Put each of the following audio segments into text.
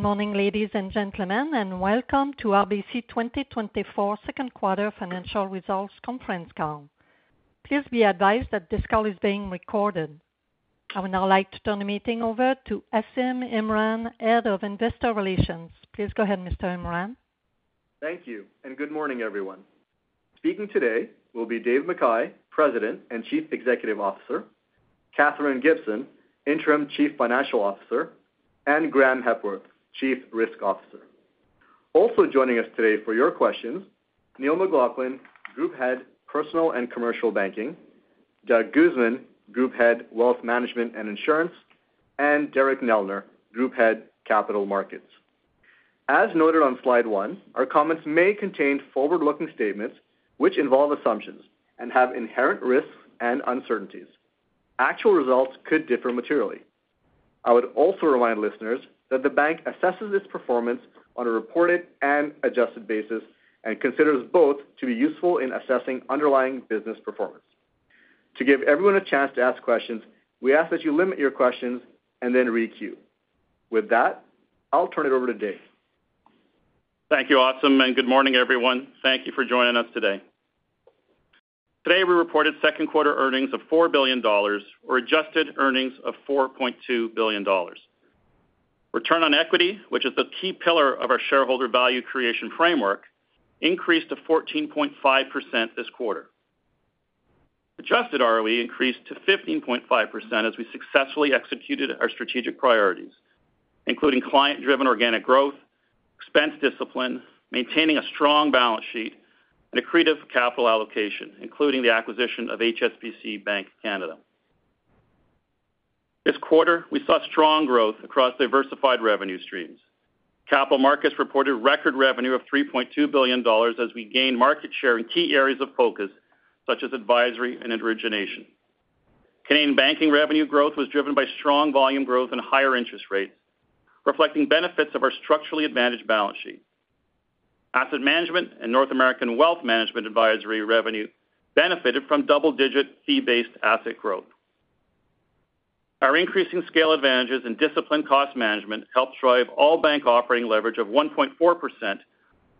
Good morning, ladies and gentlemen, and welcome to RBC 2024 second quarter financial results conference call. Please be advised that this call is being recorded. I would now like to turn the meeting over to Asim Imran, Head of Investor Relations. Please go ahead, Mr. Imran. Thank you, and good morning, everyone. Speaking today will be Dave McKay, President and Chief Executive Officer, Katherine Gibson, Interim Chief Financial Officer, and Graeme Hepworth, Chief Risk Officer. Also joining us today for your questions, Neil McLaughlin, Group Head, Personal and Commercial Banking, Doug Guzman, Group Head, Wealth Management and Insurance, and Derek Neldner, Group Head, Capital Markets. As noted on slide one, our comments may contain forward-looking statements, which involve assumptions and have inherent risks and uncertainties. Actual results could differ materially. I would also remind listeners that the bank assesses its performance on a reported and adjusted basis and considers both to be useful in assessing underlying business performance. To give everyone a chance to ask questions, we ask that you limit your questions and then requeue. With that, I'll turn it over to Dave. Thank you, Asim, and good morning, everyone. Thank you for joining us today. Today, we reported second quarter earnings of 4 billion dollars or adjusted earnings of 4.2 billion dollars. Return on equity, which is the key pillar of our shareholder value creation framework, increased to 14.5% this quarter. Adjusted ROE increased to 15.5% as we successfully executed our strategic priorities, including client-driven organic growth, expense discipline, maintaining a strong balance sheet, and accretive capital allocation, including the acquisition of HSBC Bank Canada. This quarter, we saw strong growth across diversified revenue streams. Capital Markets reported record revenue of 3.2 billion dollars as we gained market share in key areas of focus, such as advisory and origination. Canadian Banking revenue growth was driven by strong volume growth and higher interest rates, reflecting benefits of our structurally advantaged balance sheet. Asset Management and North American Wealth Management Advisory revenue benefited from double-digit fee-based asset growth. Our increasing scale advantages and disciplined cost management helped drive all bank operating leverage of 1.4%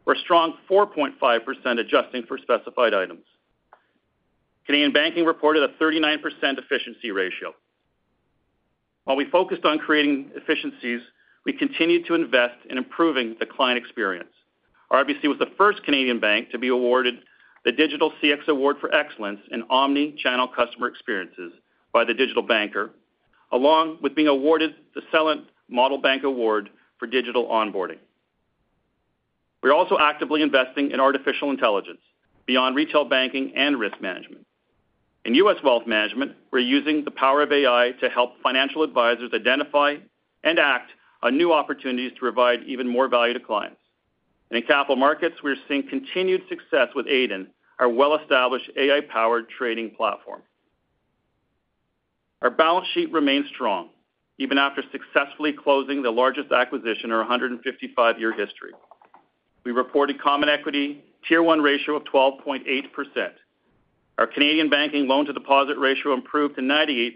or a strong 4.5%, adjusting for specified items. Canadian Banking reported a 39% efficiency ratio. While we focused on creating efficiencies, we continued to invest in improving the client experience. RBC was the first Canadian bank to be awarded the Digital CX Award for Excellence in Omnichannel Customer Experiences by The Digital Banker, along with being awarded the Celent Model Bank Award for Digital Onboarding. We're also actively investing in artificial intelligence beyond retail banking and risk management. In U.S. Wealth Management, we're using the power of AI to help financial advisors identify and act on new opportunities to provide even more value to clients. In Capital Markets, we're seeing continued success with Aiden, our well-established AI-powered trading platform. Our balance sheet remains strong, even after successfully closing the largest acquisition in our 155-year history. We reported Common Equity Tier 1 ratio of 12.8%. Our Canadian Banking loan to deposit ratio improved to 98%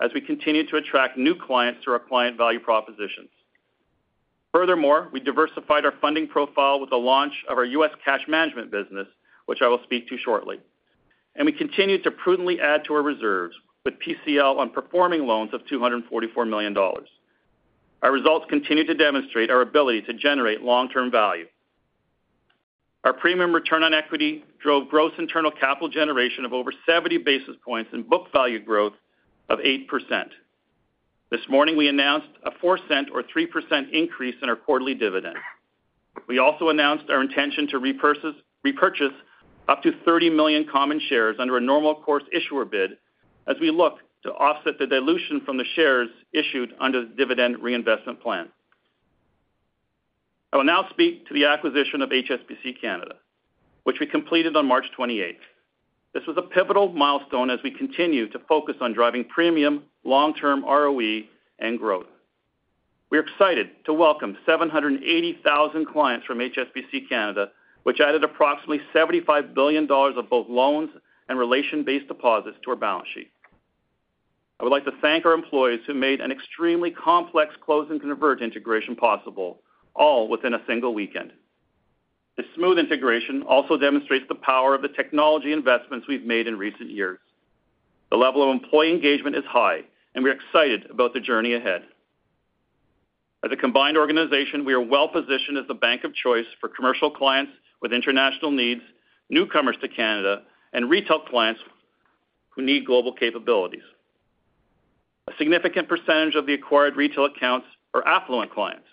as we continued to attract new clients through our client value propositions. Furthermore, we diversified our funding profile with the launch of our U.S. Cash Management business, which I will speak to shortly. We continued to prudently add to our reserves with PCL on performing loans of 244 million dollars. Our results continue to demonstrate our ability to generate long-term value. Our premium return on equity drove gross internal capital generation of over 70 basis points and book value growth of 8%. This morning, we announced a 0.04 or 3% increase in our quarterly dividend. We also announced our intention to repurchase, repurchase up to 30 million common shares under a normal course issuer bid as we look to offset the dilution from the shares issued under the dividend reinvestment plan. I will now speak to the acquisition of HSBC Canada, which we completed on March 28. This was a pivotal milestone as we continue to focus on driving premium long-term ROE and growth. We are excited to welcome 780,000 clients from HSBC Canada, which added approximately 75 billion dollars of both loans and relation-based deposits to our balance sheet. I would like to thank our employees who made an extremely complex close and convert integration possible, all within a single weekend. This smooth integration also demonstrates the power of the technology investments we've made in recent years. The level of employee engagement is high, and we're excited about the journey ahead. As a combined organization, we are well-positioned as the bank of choice for commercial clients with international needs, newcomers to Canada, and retail clients who need global capabilities. A significant percentage of the acquired retail accounts are affluent clients.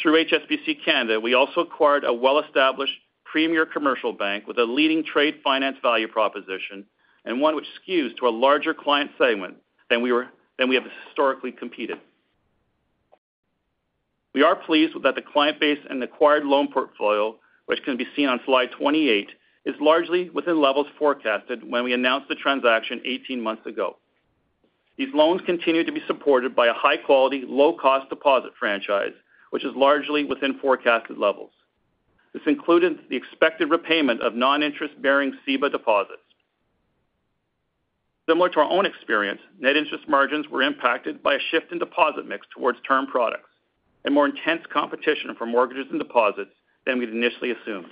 Through HSBC Canada, we also acquired a well-established premier commercial bank with a leading trade finance value proposition and one which skews to a larger client segment than we have historically competed. We are pleased that the client base and acquired loan portfolio, which can be seen on slide 28, is largely within levels forecasted when we announced the transaction 18 months ago. These loans continue to be supported by a high-quality, low-cost deposit franchise, which is largely within forecasted levels. This included the expected repayment of non-interest-bearing CEBA deposits. Similar to our own experience, net interest margins were impacted by a shift in deposit mix towards term products and more intense competition for mortgages and deposits than we'd initially assumed.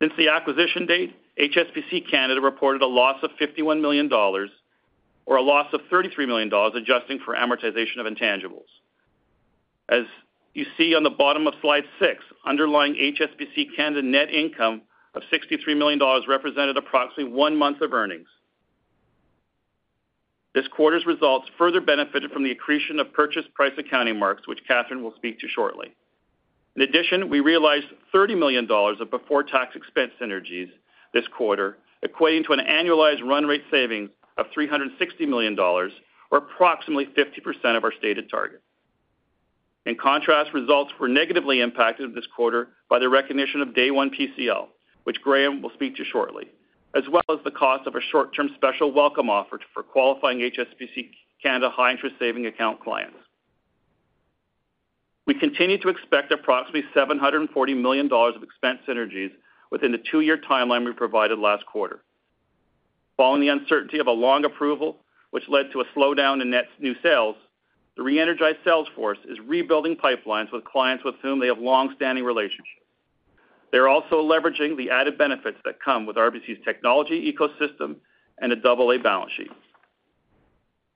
Since the acquisition date, HSBC Canada reported a loss of 51 million dollars, or a loss of 33 million dollars, adjusting for amortization of intangibles. As you see on the bottom of slide 6, underlying HSBC Canada net income of 63 million dollars represented approximately one month of earnings. This quarter's results further benefited from the accretion of purchase price accounting marks, which Katherine will speak to shortly. In addition, we realized 30 million dollars of before-tax expense synergies this quarter, equating to an annualized run rate savings of 360 million dollars or approximately 50% of our stated target. In contrast, results were negatively impacted this quarter by the recognition of day one PCL, which Graeme will speak to shortly, as well as the cost of a short-term special welcome offer for qualifying HSBC Canada high-interest savings account clients. We continue to expect approximately 740 million dollars of expense synergies within the two-year timeline we provided last quarter. Following the uncertainty of a long approval, which led to a slowdown in net new sales, the reenergized sales force is rebuilding pipelines with clients with whom they have long-standing relationships. They're also leveraging the added benefits that come with RBC's technology ecosystem and a AA balance sheet.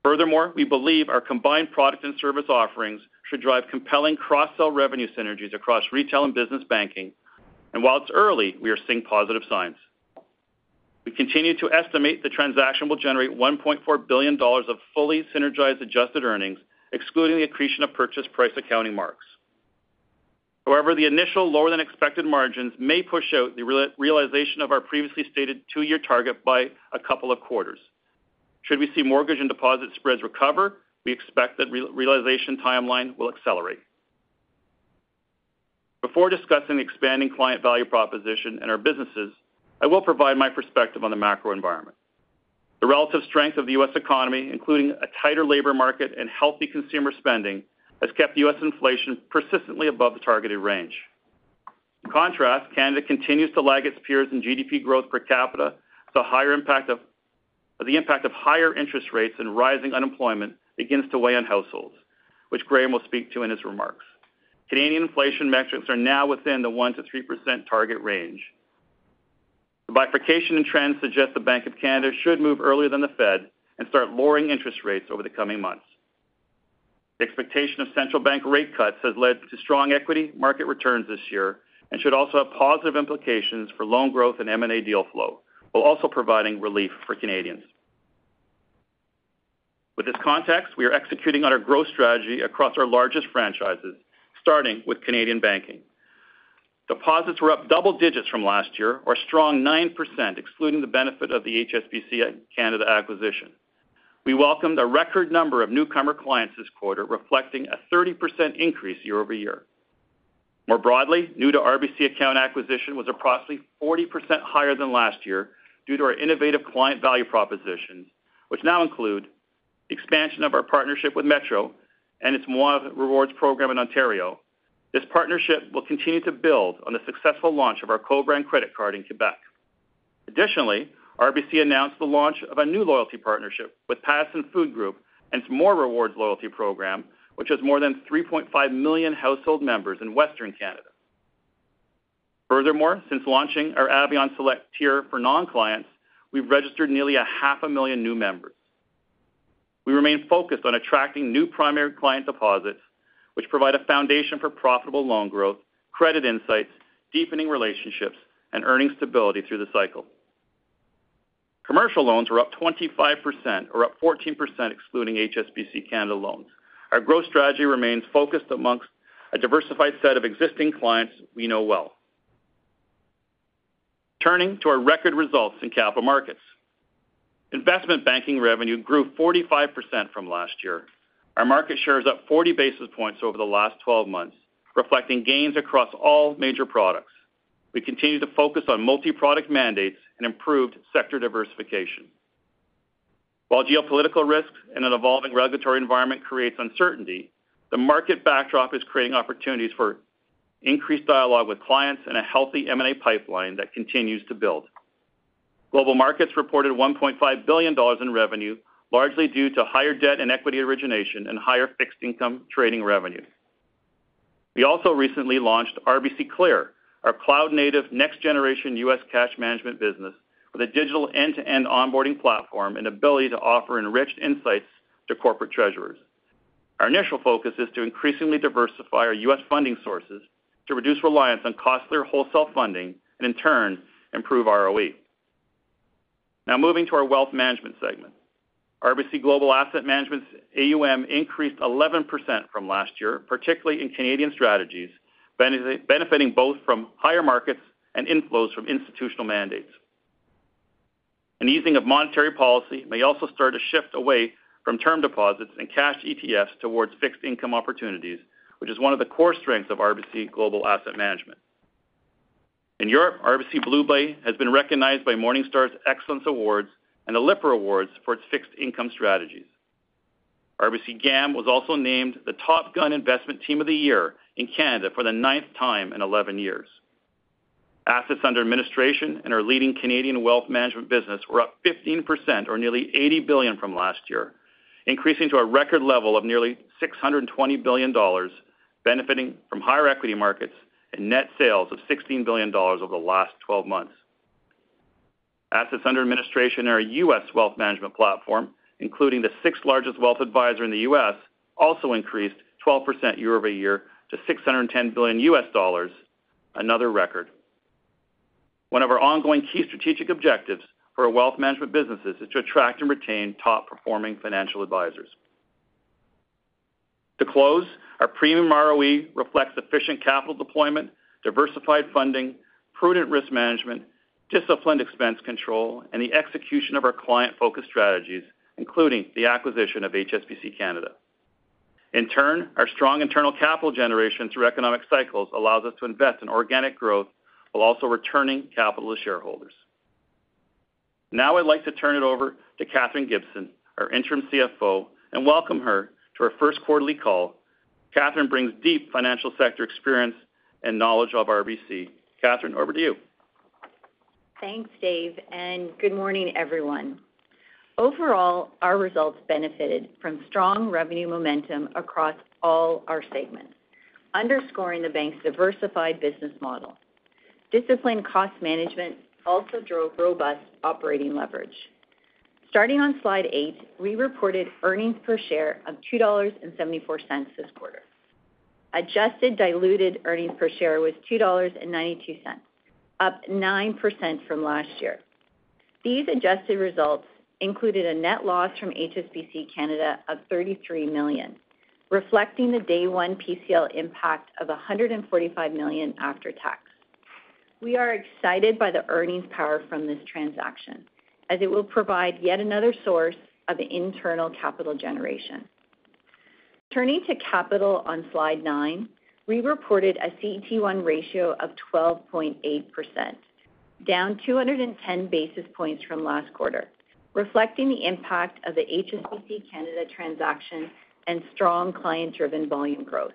Furthermore, we believe our combined product and service offerings should drive compelling cross-sell revenue synergies across retail and business banking, and while it's early, we are seeing positive signs. We continue to estimate the transaction will generate 1.4 billion dollars of fully synergized adjusted earnings, excluding the accretion of purchase price accounting marks. However, the initial lower-than-expected margins may push out the re-realization of our previously stated two-year target by a couple of quarters. Should we see mortgage and deposit spreads recover, we expect that re-realization timeline will accelerate. Before discussing expanding client value proposition and our businesses, I will provide my perspective on the macro environment. The relative strength of the U.S. economy, including a tighter labor market and healthy consumer spending, has kept U.S. inflation persistently above the targeted range. In contrast, Canada continues to lag its peers in GDP growth per capita, the impact of higher interest rates and rising unemployment begins to weigh on households, which Graeme will speak to in his remarks. Canadian inflation metrics are now within the 1%-3% target range. The bifurcation in trends suggests the Bank of Canada should move earlier than the Fed and start lowering interest rates over the coming months. The expectation of central bank rate cuts has led to strong equity market returns this year and should also have positive implications for loan growth and M&A deal flow, while also providing relief for Canadians. With this context, we are executing on our growth strategy across our largest franchises, starting with Canadian Banking. Deposits were up double digits from last year, or a strong 9%, excluding the benefit of the HSBC Canada acquisition. We welcomed a record number of newcomer clients this quarter, reflecting a 30% increase year-over-year. More broadly, new to RBC account acquisition was approximately 40% higher than last year due to our innovative client value propositions, which now include expansion of our partnership with Metro and its Moi Rewards program in Ontario. This partnership will continue to build on the successful launch of our co-brand credit card in Quebec. Additionally, RBC announced the launch of a new loyalty partnership with Pattison Food Group and its More Rewards loyalty program, which has more than 3.5 million household members in Western Canada. Furthermore, since launching our Avion Select Tier for non-clients, we've registered nearly 500,000 new members. We remain focused on attracting new primary client deposits, which provide a foundation for profitable loan growth, credit insights, deepening relationships, and earning stability through the cycle. Commercial loans were up 25% or up 14% excluding HSBC Canada loans. Our growth strategy remains focused amongst a diversified set of existing clients we know well. Turning to our record results in Capital Markets. Investment banking revenue grew 45% from last year. Our market share is up 40 basis points over the last 12 months, reflecting gains across all major products. We continue to focus on multi-product mandates and improved sector diversification. While geopolitical risks and an evolving regulatory environment creates uncertainty, the market backdrop is creating opportunities for increased dialogue with clients and a healthy M&A pipeline that continues to build. Global Markets reported $1.5 billion in revenue, largely due to higher debt and equity origination and higher fixed income trading revenue. We also recently launched RBC Clear, our cloud-native, next-generation U.S. cash management business, with a digital end-to-end onboarding platform and ability to offer enriched insights to corporate treasurers. Our initial focus is to increasingly diversify our U.S. funding sources to reduce reliance on costlier wholesale funding and, in turn, improve ROE. Now, moving to our wealth management segment. RBC Global Asset Management's AUM increased 11% from last year, particularly in Canadian strategies, benefiting both from higher markets and inflows from institutional mandates. An easing of monetary policy may also start to shift away from term deposits and cash ETFs towards fixed income opportunities, which is one of the core strengths of RBC Global Asset Management. In Europe, RBC BlueBay has been recognized by Morningstar's Excellence Awards and the Lipper Awards for its fixed income strategies. RBC GAM was also named the TopGun Investment Team of the Year in Canada for the ninth time in 11 years. Assets under administration in our leading Canadian Wealth Management business were up 15%, or nearly 80 billion from last year, increasing to a record level of nearly 620 billion dollars, benefiting from higher equity markets and net sales of 16 billion dollars over the last 12 months. Assets under administration in our U.S. Wealth Management platform, including the sixth-largest wealth advisor in the US, also increased 12% year-over-year to $610 billion, another record. One of our ongoing key strategic objectives for our wealth management businesses is to attract and retain top-performing financial advisors. To close, our premium ROE reflects efficient capital deployment, diversified funding, prudent risk management, disciplined expense control, and the execution of our client-focused strategies, including the acquisition of HSBC Bank Canada. In turn, our strong internal capital generation through economic cycles allows us to invest in organic growth while also returning capital to shareholders. Now I'd like to turn it over to Katherine Gibson, our Interim CFO, and welcome her to her first quarterly call. Katherine brings deep financial sector experience and knowledge of RBC. Katherine, over to you. Thanks, Dave, and good morning, everyone. Overall, our results benefited from strong revenue momentum across all our segments, underscoring the bank's diversified business model. Disciplined cost management also drove robust operating leverage. Starting on slide 8, we reported earnings per share of 2.74 dollars this quarter. Adjusted diluted earnings per share was 2.92 dollars, up 9% from last year. These adjusted results included a net loss from HSBC Canada of 33 million, reflecting the day one PCL impact of 145 million after tax. We are excited by the earnings power from this transaction, as it will provide yet another source of internal capital generation. Turning to capital on slide 9, we reported a CET1 ratio of 12.8%, down 210 basis points from last quarter, reflecting the impact of the HSBC Canada transaction and strong client-driven volume growth.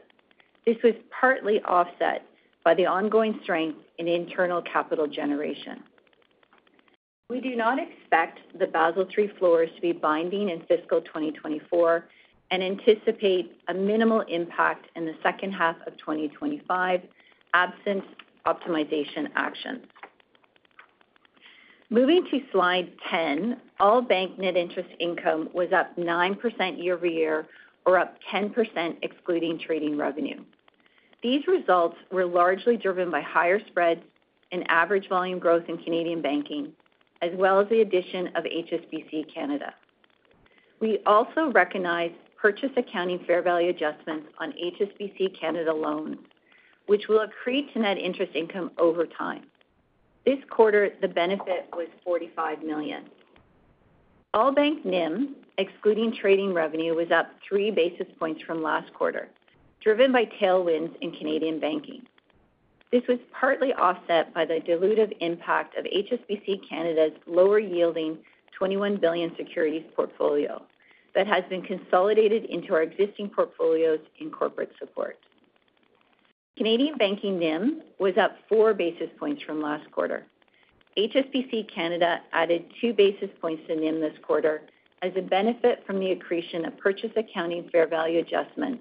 This was partly offset by the ongoing strength in internal capital generation. We do not expect the Basel III floors to be binding in fiscal 2024 and anticipate a minimal impact in the second half of 2025, absent optimization actions. Moving to slide 10, all bank net interest income was up 9% year-over-year, or up 10% excluding trading revenue. These results were largely driven by higher spreads and average volume growth in Canadian Banking, as well as the addition of HSBC Canada. We also recognized purchase accounting fair value adjustments on HSBC Canada loans, which will accrete to net interest income over time. This quarter, the benefit was 45 million. All bank NIM, excluding trading revenue, was up three basis points from last quarter, driven by tailwinds in Canadian Banking. This was partly offset by the dilutive impact of HSBC Canada's lower-yielding 21 billion securities portfolio that has been consolidated into our existing portfolios in Corporate Support. Canadian Banking NIM was up four basis points from last quarter. HSBC Canada added two basis points to NIM this quarter as a benefit from the accretion of purchase accounting fair value adjustment,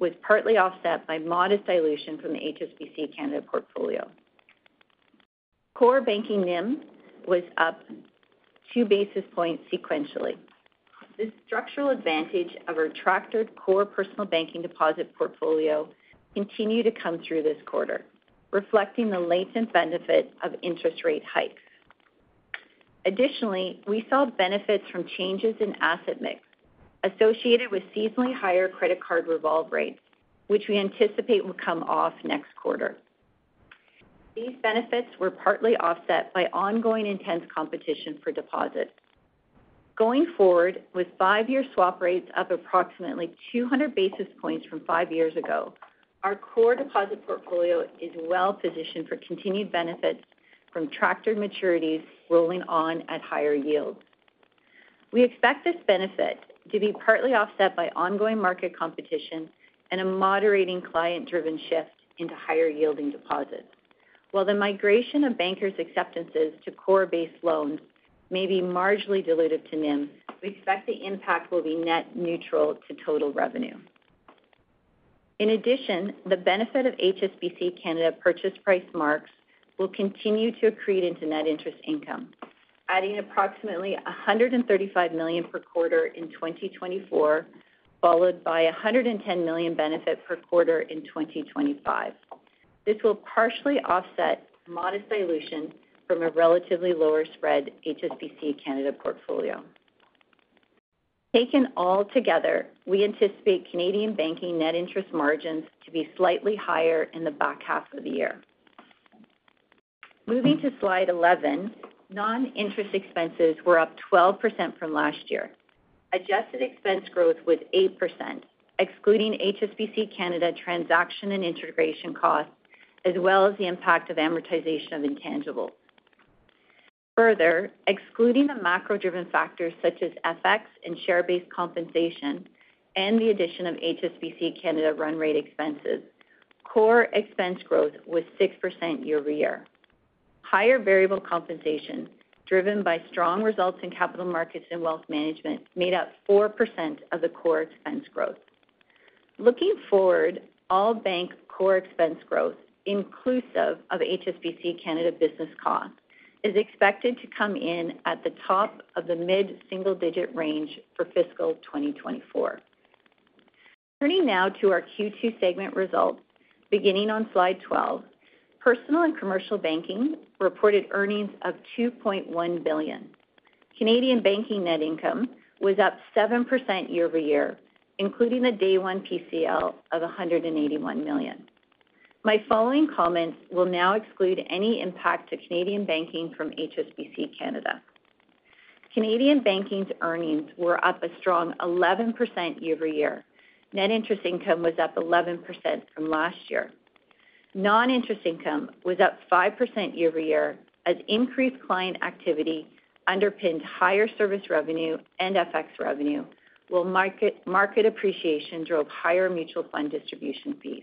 was partly offset by modest dilution from the HSBC Canada portfolio. Core banking NIM was up two basis points sequentially. The structural advantage of our attractive core personal banking deposit portfolio continued to come through this quarter, reflecting the latent benefit of interest rate hikes. Additionally, we saw benefits from changes in asset mix associated with seasonally higher credit card revolve rates, which we anticipate will come off next quarter. These benefits were partly offset by ongoing intense competition for deposits. Going forward, with five-year swap rates up approximately 200 basis points from five years ago, our core deposit portfolio is well positioned for continued benefits from contracted maturities rolling on at higher yields. We expect this benefit to be partly offset by ongoing market competition and a moderating client-driven shift into higher-yielding deposits. While the migration of bankers' acceptances to CORRA-based loans may be marginally dilutive to NIM, we expect the impact will be net neutral to total revenue. In addition, the benefit of HSBC Canada purchase price marks will continue to accrete into net interest income, adding approximately 135 million per quarter in 2024, followed by a 110 million benefit per quarter in 2025. This will partially offset modest dilution from a relatively lower spread HSBC Canada portfolio. Taken all together, we anticipate Canadian Banking net interest margins to be slightly higher in the back half of the year. Moving to slide 11, non-interest expenses were up 12% from last year. Adjusted expense growth was 8%, excluding HSBC Canada transaction and integration costs, as well as the impact of amortization of intangibles. Further, excluding the macro-driven factors such as FX and share-based compensation and the addition of HSBC Canada run rate expenses, core expense growth was 6% year-over-year. Higher variable compensation, driven by strong results in Capital Markets and wealth management, made up 4% of the core expense growth. Looking forward, all bank core expense growth, inclusive of HSBC Canada business costs, is expected to come in at the top of the mid-single-digit range for fiscal 2024. Turning now to our Q2 segment results, beginning on slide 12, Personal and Commercial Banking reported earnings of 2.1 billion Canadian dollars. Canadian Banking net income was up 7% year over year, including the day one PCL of 181 million. My following comments will now exclude any impact to Canadian Banking from HSBC Canada. Canadian Banking's earnings were up a strong 11% year over year. Net interest income was up 11% from last year. Non-interest income was up 5% year-over-year, as increased client activity underpinned higher service revenue and FX revenue, while market appreciation drove higher mutual fund distribution fees.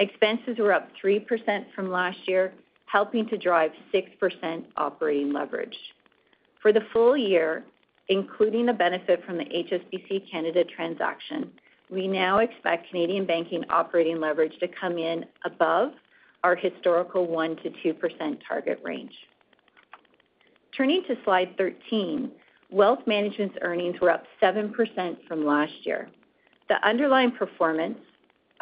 Expenses were up 3% from last year, helping to drive 6% operating leverage. For the full year, including the benefit from the HSBC Canada transaction, we now expect Canadian Banking operating leverage to come in above our historical 1%-2% target range. Turning to slide 13, Wealth Management's earnings were up 7% from last year. The underlying performance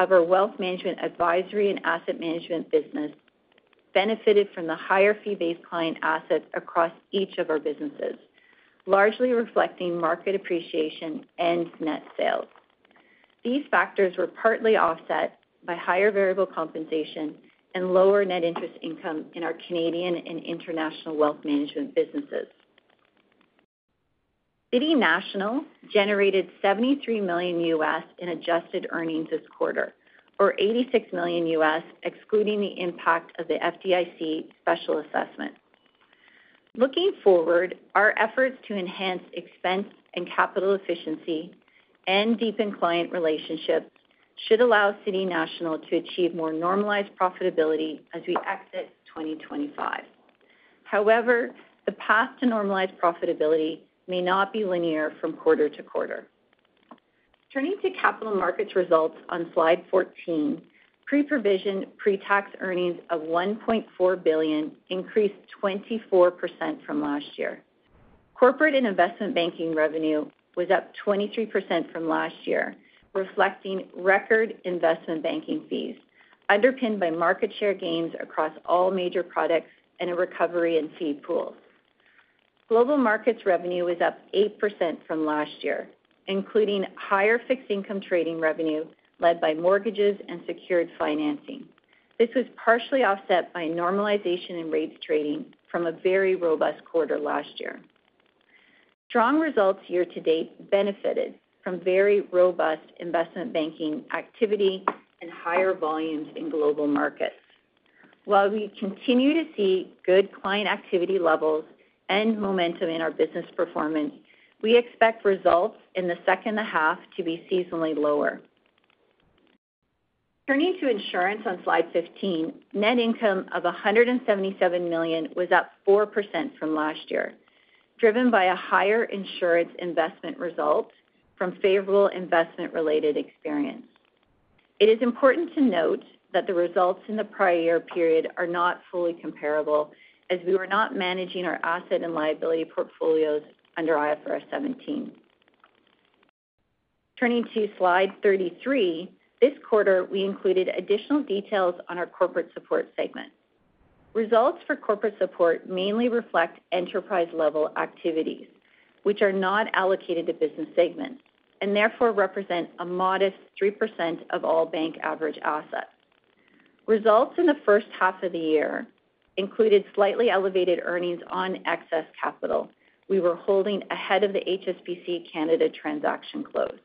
of our wealth management advisory and asset management business benefited from the higher fee-based client assets across each of our businesses, largely reflecting market appreciation and net sales. These factors were partly offset by higher variable compensation and lower net interest income in our Canadian and International Wealth Management businesses. City National generated $73 million in adjusted earnings this quarter, or $86 million, excluding the impact of the FDIC special assessment. Looking forward, our efforts to enhance expense and capital efficiency and deepen client relationships should allow City National to achieve more normalized profitability as we exit 2025. However, the path to normalized profitability may not be linear from quarter to quarter. Turning to Capital Markets results on slide 14, pre-provision, pre-tax earnings of 1.4 billion increased 24% from last year. Corporate and Investment Banking revenue was up 23% from last year, reflecting record investment banking fees, underpinned by market share gains across all major products and a recovery in seed pools. Global Markets revenue was up 8% from last year, including higher fixed income trading revenue led by mortgages and secured financing. This was partially offset by normalization in rates trading from a very robust quarter last year. Strong results year to date benefited from very robust investment banking activity and higher volumes in Global Markets. While we continue to see good client activity levels and momentum in our business performance, we expect results in the second half to be seasonally lower. Turning to Insurance on slide 15, net income of 177 million was up 4% from last year, driven by a higher Insurance investment result from favorable investment-related experience. It is important to note that the results in the prior year period are not fully comparable, as we were not managing our asset and liability portfolios under IFRS 17. Turning to slide 33, this quarter, we included additional details on our Corporate Support segment. Results for Corporate Support mainly reflect enterprise-level activities, which are not allocated to business segments, and therefore represent a modest 3% of all bank average assets. Results in the first half of the year included slightly elevated earnings on excess capital we were holding ahead of the HSBC Canada transaction close.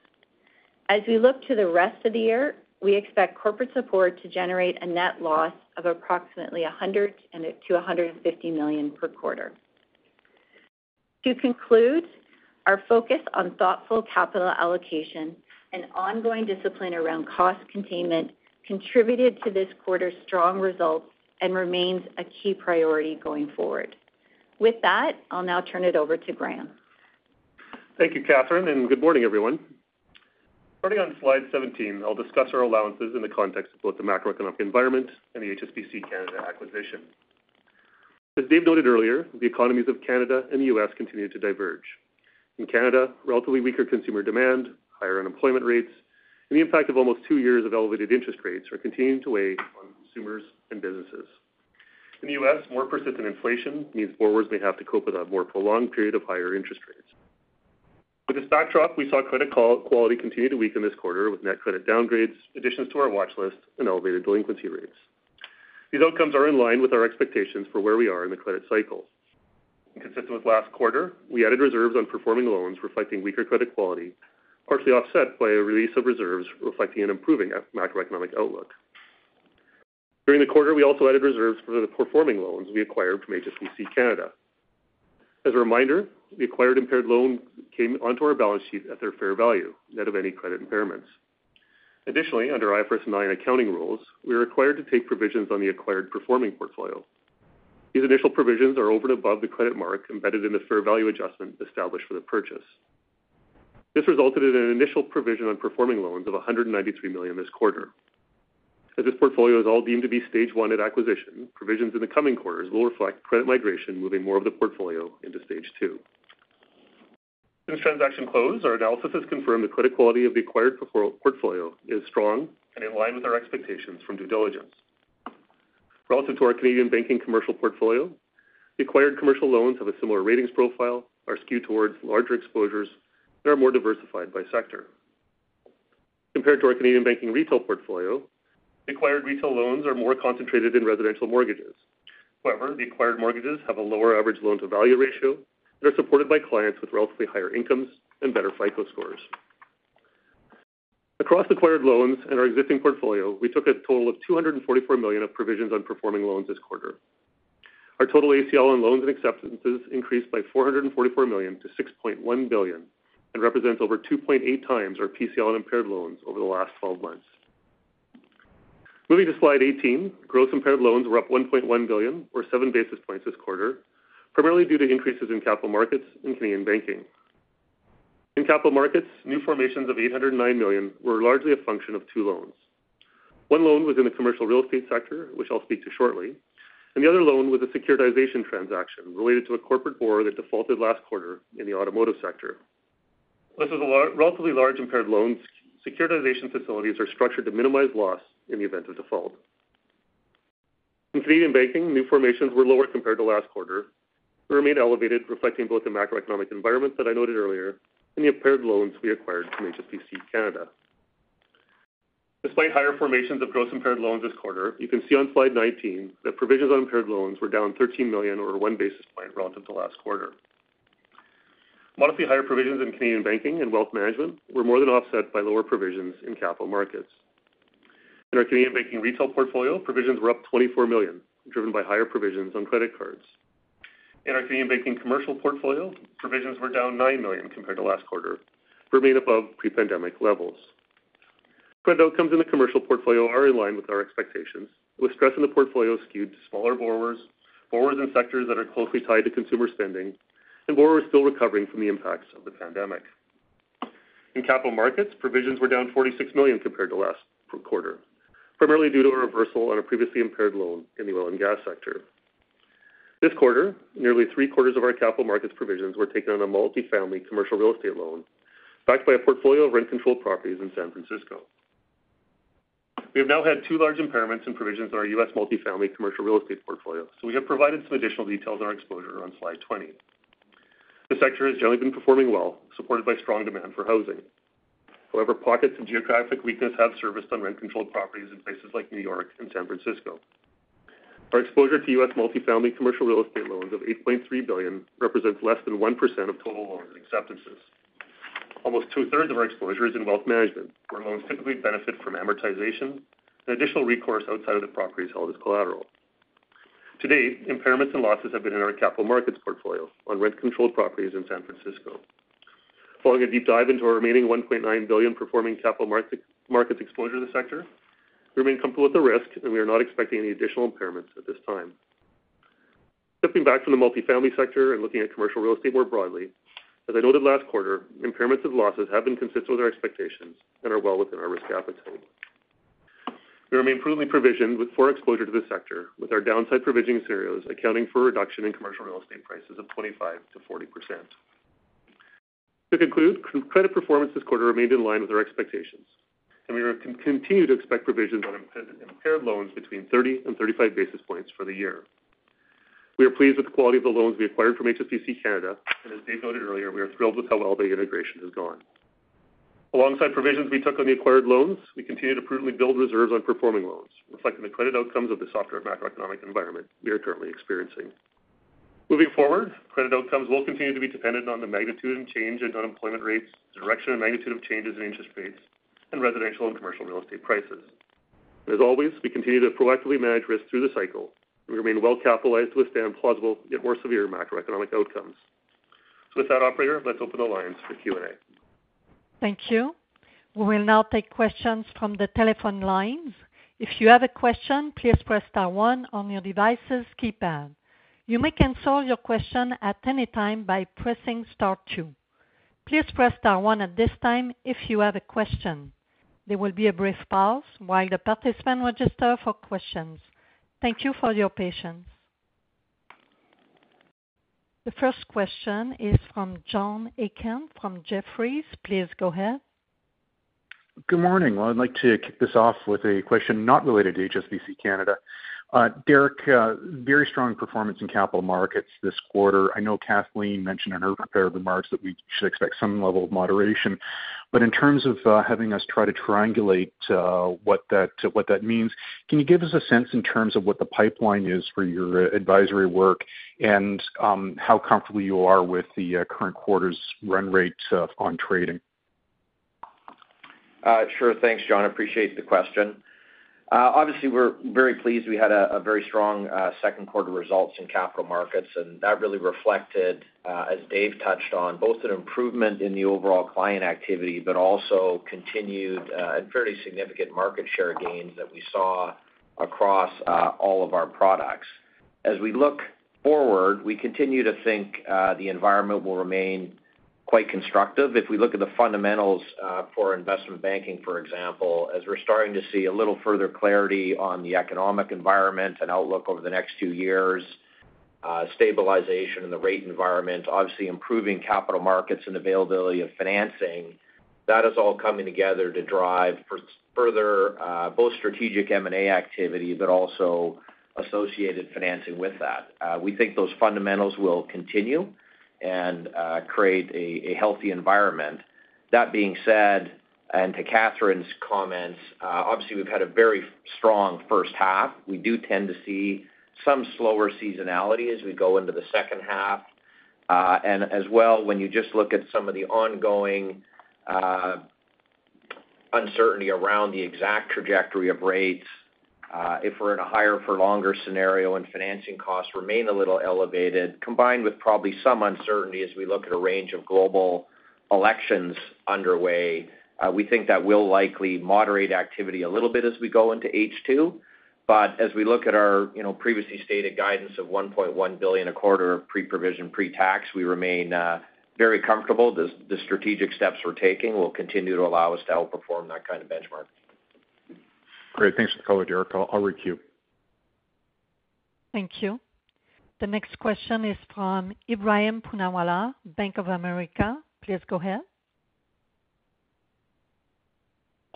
As we look to the rest of the year, we expect Corporate Support to generate a net loss of approximately 100 million-150 million per quarter. To conclude, our focus on thoughtful capital allocation and ongoing discipline around cost containment contributed to this quarter's strong results and remains a key priority going forward. With that, I'll now turn it over to Graeme. Thank you, Katherine, and good morning, everyone. Starting on slide 17, I'll discuss our allowances in the context of both the macroeconomic environment and the HSBC Canada acquisition. As Dave noted earlier, the economies of Canada and the U.S. continue to diverge. In Canada, relatively weaker consumer demand, higher unemployment rates, and the impact of almost two years of elevated interest rates are continuing to weigh on consumers and businesses. In the U.S., more persistent inflation means borrowers may have to cope with a more prolonged period of higher interest rates. With this backdrop, we saw credit quality continue to weaken this quarter, with net credit downgrades, additions to our watch list, and elevated delinquency rates. These outcomes are in line with our expectations for where we are in the credit cycle. Consistent with last quarter, we added reserves on performing loans, reflecting weaker credit quality, partially offset by a release of reserves, reflecting an improving macroeconomic outlook. During the quarter, we also added reserves for the performing loans we acquired from HSBC Bank Canada. As a reminder, the acquired impaired loan came onto our balance sheet at their fair value, net of any credit impairments. Additionally, under IFRS 9 accounting rules, we are required to take provisions on the acquired performing portfolio. These initial provisions are over and above the credit mark embedded in the fair value adjustment established for the purchase. This resulted in an initial provision on performing loans of 193 million this quarter. As this portfolio is all deemed to be Stage 1 at acquisition, provisions in the coming quarters will reflect credit migration, moving more of the portfolio into Stage 2. Since transaction close, our analysis has confirmed the credit quality of the acquired portfolio is strong and in line with our expectations from due diligence. Relative to our Canadian banking commercial portfolio, the acquired commercial loans have a similar ratings profile, are skewed towards larger exposures, and are more diversified by sector. Compared to our Canadian banking retail portfolio, acquired retail loans are more concentrated in residential mortgages. However, the acquired mortgages have a lower average loan-to-value ratio and are supported by clients with relatively higher incomes and better FICO scores. Across acquired loans and our existing portfolio, we took a total of 244 million of provisions on performing loans this quarter. Our total ACL on loans and acceptances increased by 444 million to 6.1 billion, and represents over 2.8 times our PCL on impaired loans over the last 12 months. Moving to slide 18, gross impaired loans were up 1.1 billion, or 7 basis points this quarter, primarily due to increases in Capital Markets and Canadian Banking. In Capital Markets, new formations of 809 million were largely a function of two loans. One loan was in the commercial real estate sector, which I'll speak to shortly, and the other loan was a securitization transaction related to a corporate borrower that defaulted last quarter in the automotive sector. This is a relatively large impaired loan. Securitization facilities are structured to minimize loss in the event of default. In Canadian Banking, new formations were lower compared to last quarter, but remain elevated, reflecting both the macroeconomic environment that I noted earlier and the impaired loans we acquired from HSBC Canada. Despite higher formations of gross impaired loans this quarter, you can see on slide 19 that provisions on impaired loans were down 13 million or 1 basis point relative to last quarter. Modestly higher provisions in Canadian Banking and wealth management were more than offset by lower provisions in Capital Markets. In our Canadian Banking retail portfolio, provisions were up 24 million, driven by higher provisions on credit cards. In our Canadian Banking commercial portfolio, provisions were down 9 million compared to last quarter, but remained above pre-pandemic levels. Credit outcomes in the commercial portfolio are in line with our expectations, with stress in the portfolio skewed to smaller borrowers, borrowers in sectors that are closely tied to consumer spending, and borrowers still recovering from the impacts of the pandemic. In Capital Markets, provisions were down 46 million compared to last quarter, primarily due to a reversal on a previously impaired loan in the Oil & Gas sector. This quarter, nearly three quarters of our Capital Markets provisions were taken on a multifamily commercial real estate loan, backed by a portfolio of rent-controlled properties in San Francisco. We have now had 2 large impairments and provisions in our U.S. multifamily commercial real estate portfolio, so we have provided some additional details on our exposure on slide 20. The sector has generally been performing well, supported by strong demand for housing. However, pockets of geographic weakness have surfaced on rent-controlled properties in places like New York and San Francisco. Our exposure to U.S. multifamily commercial real estate loans of $8.3 billion represents less than 1% of total loans and acceptances. Almost two-thirds of our exposure is in wealth management, where loans typically benefit from amortization and additional recourse outside of the properties held as collateral. To date, impairments and losses have been in our Capital Markets portfolio on rent-controlled properties in San Francisco. Following a deep dive into our remaining $1.9 billion performing Capital Markets exposure to the sector, we remain comfortable with the risk, and we are not expecting any additional impairments at this time. Stepping back from the multifamily sector and looking at commercial real estate more broadly, as I noted last quarter, impairments and losses have been consistent with our expectations and are well within our risk appetite. We remain prudently provisioned with full exposure to the sector, with our downside provisioning scenarios accounting for a reduction in commercial real estate prices of 25%-40%. To conclude, credit performance this quarter remained in line with our expectations, and we will continue to expect provisions on impaired loans between 30 and 35 basis points for the year. We are pleased with the quality of the loans we acquired from HSBC Canada, and as Dave noted earlier, we are thrilled with how well the integration has gone. Alongside provisions we took on the acquired loans, we continue to prudently build reserves on performing loans, reflecting the credit outcomes of the softer macroeconomic environment we are currently experiencing. Moving forward, credit outcomes will continue to be dependent on the magnitude and change in unemployment rates, direction and magnitude of changes in interest rates, and residential and commercial real estate prices. As always, we continue to proactively manage risk through the cycle, and we remain well capitalized to withstand plausible, yet more severe macroeconomic outcomes. With that, operator, let's open the lines for Q&A. Thank you. We will now take questions from the telephone lines. If you have a question, please press star one on your device's keypad. You may cancel your question at any time by pressing star two. Please press star one at this time if you have a question. There will be a brief pause while the participants register for questions. Thank you for your patience. The first question is from John Aiken from Jefferies. Please go ahead. Good morning. Well, I'd like to kick this off with a question not related to HSBC Canada. Derek, very strong performance in Capital Markets this quarter. I know Katherine mentioned in her prepared remarks that we should expect some level of moderation, but in terms of having us try to triangulate what that means, can you give us a sense in terms of what the pipeline is for your advisory work and how comfortable you are with the current quarter's run rates on trading? Sure. Thanks, John. I appreciate the question. Obviously, we're very pleased. We had a very strong second quarter results in Capital Markets, and that really reflected, as Dave touched on, both an improvement in the overall client activity, but also continued and fairly significant market share gains that we saw across all of our products. As we look forward, we continue to think the environment will remain quite constructive. If we look at the fundamentals for investment banking, for example, as we're starting to see a little further clarity on the economic environment and outlook over the next two years, stabilization in the rate environment, obviously improving Capital Markets and availability of financing, that is all coming together to drive for further both strategic M&A activity, but also associated financing with that. We think those fundamentals will continue and create a healthy environment. That being said, and to Katherine's comments, obviously, we've had a very strong first half. We do tend to see some slower seasonality as we go into the second half. And as well, when you just look at some of the ongoing uncertainty around the exact trajectory of rates, if we're in a higher for longer scenario and financing costs remain a little elevated, combined with probably some uncertainty as we look at a range of global elections underway, we think that will likely moderate activity a little bit as we go into H2. But as we look at our, you know, previously stated guidance of 1.1 billion a quarter of pre-provision, pre-tax, we remain very comfortable the strategic steps we're taking will continue to allow us to outperform that kind of benchmark. Great. Thanks for the color, Derek. I'll requeue. Thank you. The next question is from Ebrahim Poonawala, Bank of America. Please go ahead.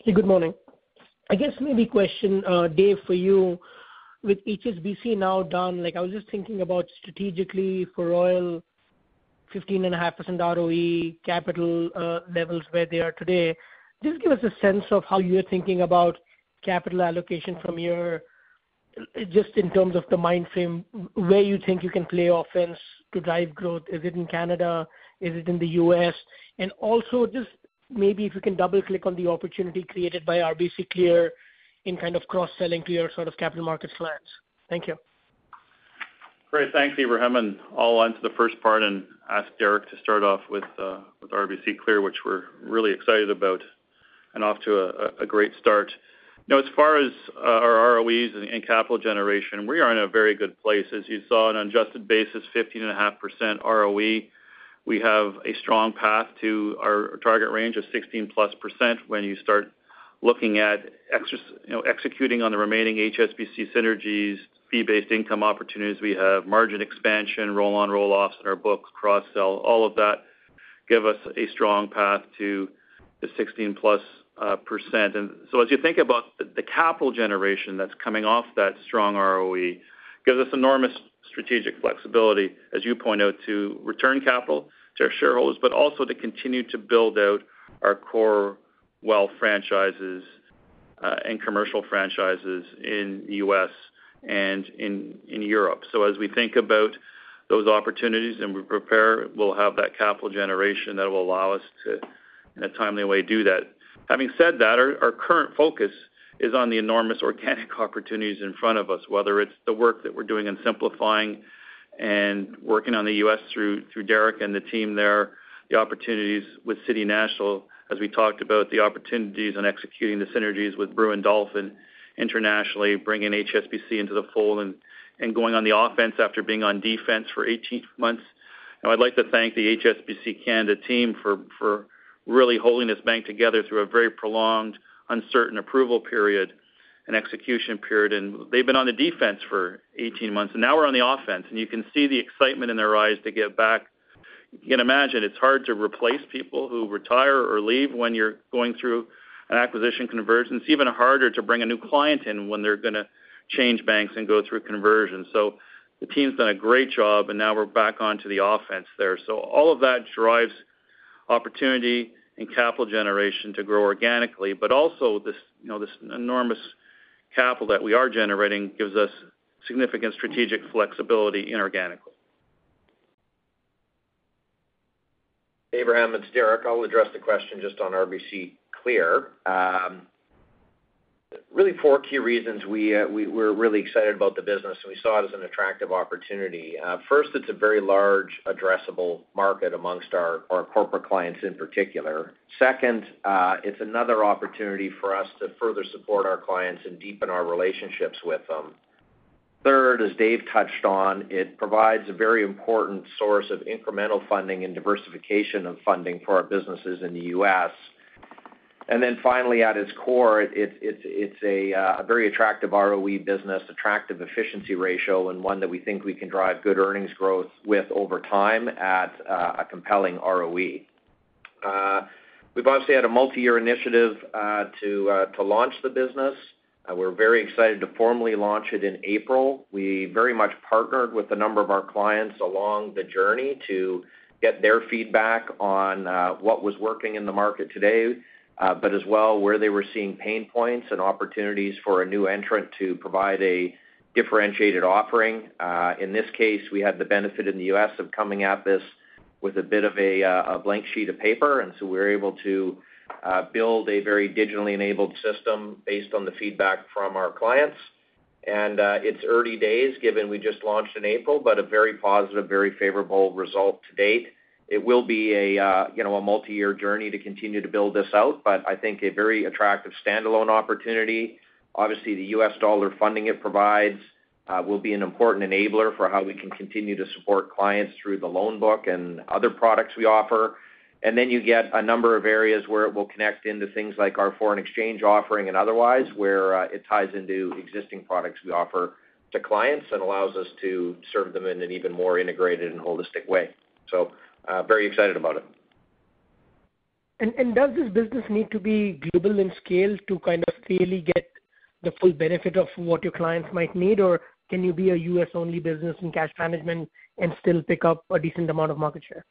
Good morning. I guess maybe question, Dave, for you. With HSBC now done, like, I was just thinking about strategically for Royal, 15.5% ROE capital levels where they are today. Just give us a sense of how you're thinking about capital allocation from your-- just in terms of the mind frame, where you think you can play offense to drive growth. Is it in Canada? Is it in the US? And also, just maybe if you can double-click on the opportunity created by RBC Clear in kind of cross-selling to your sort of Capital Markets clients. Thank you. Great. Thanks, Ebrahim, and I'll answer the first part and ask Derek to start off with RBC Clear, which we're really excited about and off to a great start. You know, as far as our ROEs and capital generation, we are in a very good place. As you saw, on an adjusted basis, 15.5% ROE. We have a strong path to our target range of 16%+ when you start looking at executing on the remaining HSBC synergies, fee-based income opportunities. We have margin expansion, roll-on, roll-offs in our books, cross-sell, all of that give us a strong path to the 16%+. And so as you think about the capital generation that's coming off that strong ROE, gives us enormous strategic flexibility, as you point out, to return capital to our shareholders, but also to continue to build out our core wealth franchises, and commercial franchises in U.S. and in Europe. So as we think about those opportunities and we prepare, we'll have that capital generation that will allow us to, in a timely way, do that. Having said that, our current focus is on the enormous organic opportunities in front of us, whether it's the work that we're doing in simplifying and working on the U.S. through Derek and the team there, the opportunities with City National, as we talked about, the opportunities on executing the synergies with Brewin Dolphin internationally, bringing HSBC into the fold and going on the offense after being on defense for 18 months. Now, I'd like to thank the HSBC Canada team for really holding this bank together through a very prolonged, uncertain approval period and execution period, and they've been on the defense for 18 months, and now we're on the offense, and you can see the excitement in their eyes to get back. You can imagine it's hard to replace people who retire or leave when you're going through an acquisition conversion. It's even harder to bring a new client in when they're gonna change banks and go through a conversion. So the team's done a great job, and now we're back onto the offense there. So all of that drives opportunity and capital generation to grow organically, but also this, you know, this enormous capital that we are generating gives us significant strategic flexibility inorganically. Ebrahim, it's Derek. I'll address the question just on RBC Clear. Really four key reasons we're really excited about the business, and we saw it as an attractive opportunity. First, it's a very large addressable market amongst our corporate clients in particular. Second, it's another opportunity for us to further support our clients and deepen our relationships with them. Third, as Dave touched on, it provides a very important source of incremental funding and diversification of funding for our businesses in the U.S.. And then finally, at its core, it's a very attractive ROE business, attractive efficiency ratio, and one that we think we can drive good earnings growth with over time at a compelling ROE. We've obviously had a multi-year initiative to launch the business. We're very excited to formally launch it in April. We very much partnered with a number of our clients along the journey to get their feedback on what was working in the market today, but as well, where they were seeing pain points and opportunities for a new entrant to provide a differentiated offering. In this case, we had the benefit in the U.S. of coming at this with a bit of a blank sheet of paper, and so we're able to build a very digitally enabled system based on the feedback from our clients. and it's early days, given we just launched in April, but a very positive, very favorable result to date. It will be, you know, a multi-year journey to continue to build this out, but I think a very attractive standalone opportunity. Obviously, the U.S. dollar funding it provides will be an important enabler for how we can continue to support clients through the loan book and other products we offer. And then you get a number of areas where it will connect into things like our foreign exchange offering and otherwise, where it ties into existing products we offer to clients and allows us to serve them in an even more integrated and holistic way. So, very excited about it. Does this business need to be global in scale to kind of clearly get the full benefit of what your clients might need? Or can you be a U.S.-only business in cash management and still pick up a decent amount of market share?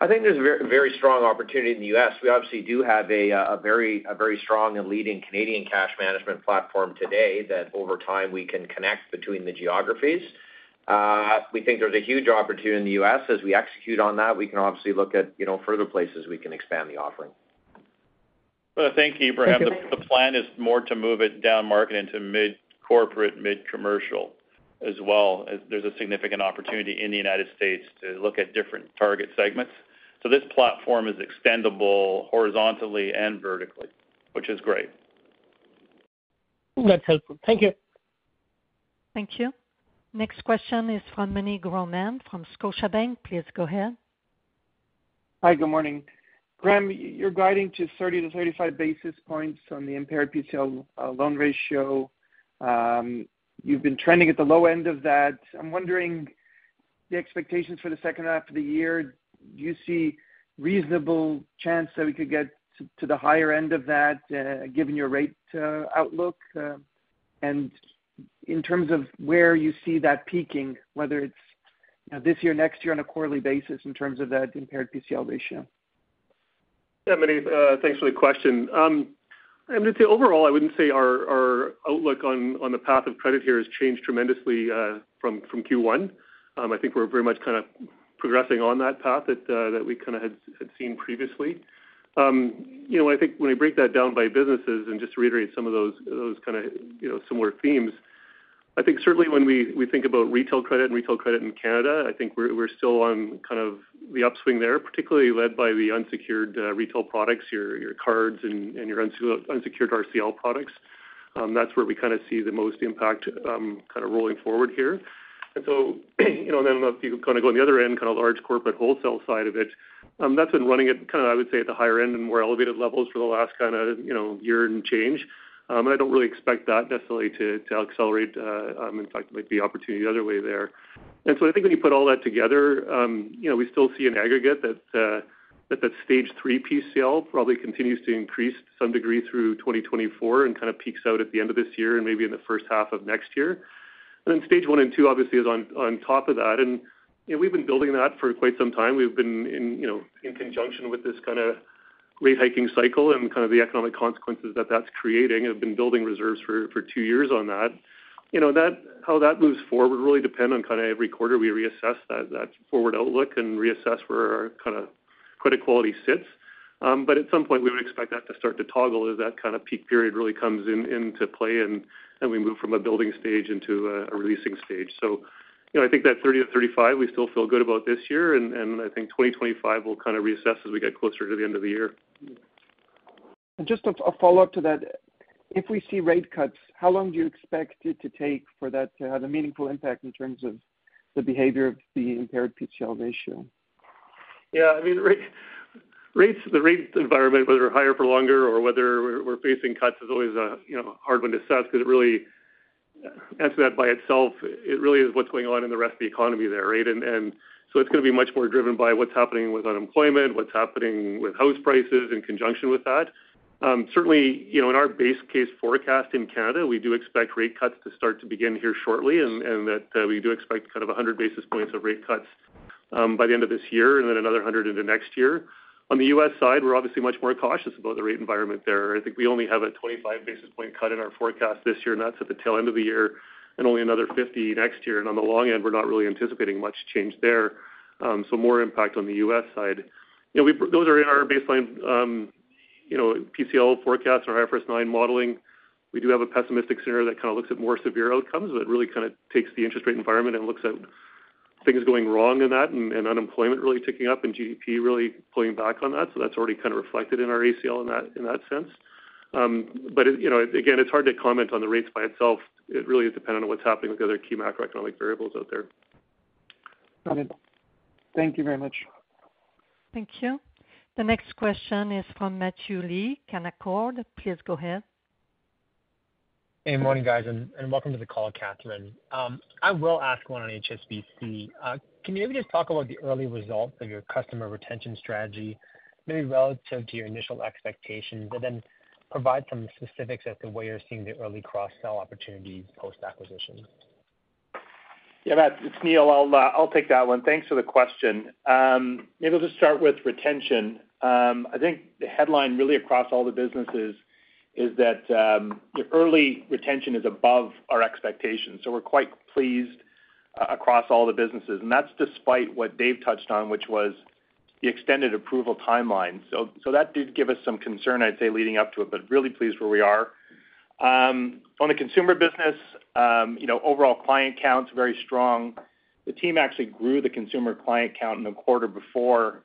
I think there's a very strong opportunity in the U.S.. We obviously do have a very strong and leading Canadian cash management platform today, that over time we can connect between the geographies. We think there's a huge opportunity in the U.S.. As we execute on that, we can obviously look at, you know, further places we can expand the offering. Well, thank you, Ebrahim. The plan is more to move it down market into mid-corporate, mid-commercial as well. There's a significant opportunity in the United States to look at different target segments. So this platform is extendable horizontally and vertically, which is great. That's helpful. Thank you. Thank you. Next question is from Meny Grauman from Scotiabank. Please go ahead. Hi, good morning. Graeme, you're guiding to 30-35 basis points on the impaired PCL loan ratio. You've been trending at the low end of that. I'm wondering the expectations for the second half of the year, do you see reasonable chance that we could get to the higher end of that, given your rate outlook? And in terms of where you see that peaking, whether it's this year or next year on a quarterly basis in terms of that impaired PCL ratio. Yeah, Meny, thanks for the question. I'm gonna say overall, I wouldn't say our outlook on the path of credit here has changed tremendously from Q1. I think we're very much kind of progressing on that path that we kind of had seen previously. You know, I think when we break that down by businesses and just to reiterate some of those kind of similar themes, I think certainly when we think about retail credit and retail credit in Canada, I think we're still on kind of the upswing there, particularly led by the unsecured retail products, your cards and your unsecured RCL products. That's where we kind of see the most impact kind of rolling forward here. And so, you know, and then if you kind of go on the other end, kind of large corporate wholesale side of it, that's been running at, kind of, I would say, at the higher end and more elevated levels for the last kind of, you know, year and change. And I don't really expect that necessarily to accelerate. In fact, it might be opportunity the other way there. And so I think when you put all that together, you know, we still see an aggregate that the Stage 3 PCL probably continues to increase some degree through 2024 and kind of peaks out at the end of this year and maybe in the first half of next year. And then Stage 1 and 2 obviously is on top of that. You know, we've been building that for quite some time. We've been, you know, in conjunction with this kind of rate hiking cycle and kind of the economic consequences that that's creating, have been building reserves for two years on that. You know, that how that moves forward would really depend on kind of every quarter we reassess that forward outlook and reassess where our kind of credit quality sits. But at some point, we would expect that to start to toggle as that kind of peak period really comes into play, and we move from a building stage into a releasing stage. So, you know, I think that 30-35, we still feel good about this year, and I think 2025 will kind of reassess as we get closer to the end of the year. Just a follow-up to that. If we see rate cuts, how long do you expect it to take for that to have a meaningful impact in terms of the behavior of the impaired PCL ratio? Yeah, I mean, rates, the rate environment, whether higher for longer or whether we're facing cuts, is always a, you know, hard one to assess, because it really. Answer that by itself, it really is what's going on in the rest of the economy there, right? So it's gonna be much more driven by what's happening with unemployment, what's happening with house prices in conjunction with that. Certainly, you know, in our base case forecast in Canada, we do expect rate cuts to start to begin here shortly, and that we do expect kind of 100 basis points of rate cuts, by the end of this year, and then another 100 into next year. On the U.S. side, we're obviously much more cautious about the rate environment there. I think we only have a 25 basis point cut in our forecast this year, and that's at the tail end of the year, and only another 50 next year. On the long end, we're not really anticipating much change there. So more impact on the U.S. side. You know, those are in our baseline, you know, PCL forecasts, our IFRS 9 modeling. We do have a pessimistic scenario that kind of looks at more severe outcomes, but it really kind of takes the interest rate environment and looks at things going wrong in that, and unemployment really ticking up and GDP really pulling back on that. So that's already kind of reflected in our ACL in that sense. But, you know, again, it's hard to comment on the rates by itself. It really is dependent on what's happening with the other key macroeconomic variables out there. Got it. Thank you very much. Thank you. The next question is from Matthew Lee, Canaccord. Please go ahead. Hey, morning, guys, and welcome to the call, Katherine. I will ask one on HSBC. Can you maybe just talk about the early results of your customer retention strategy, maybe relative to your initial expectations, but then provide some specifics as to where you're seeing the early cross-sell opportunities post-acquisition? Yeah, Matt, it's Neil. I'll, I'll take that one. Thanks for the question. Maybe I'll just start with retention. I think the headline really across all the businesses is that, the early retention is above our expectations, so we're quite pleased. Across all the businesses, and that's despite what Dave touched on, which was the extended approval timeline. So, so that did give us some concern, I'd say, leading up to it, but really pleased where we are. On the consumer business, you know, overall client count's very strong. The team actually grew the consumer client count in the quarter before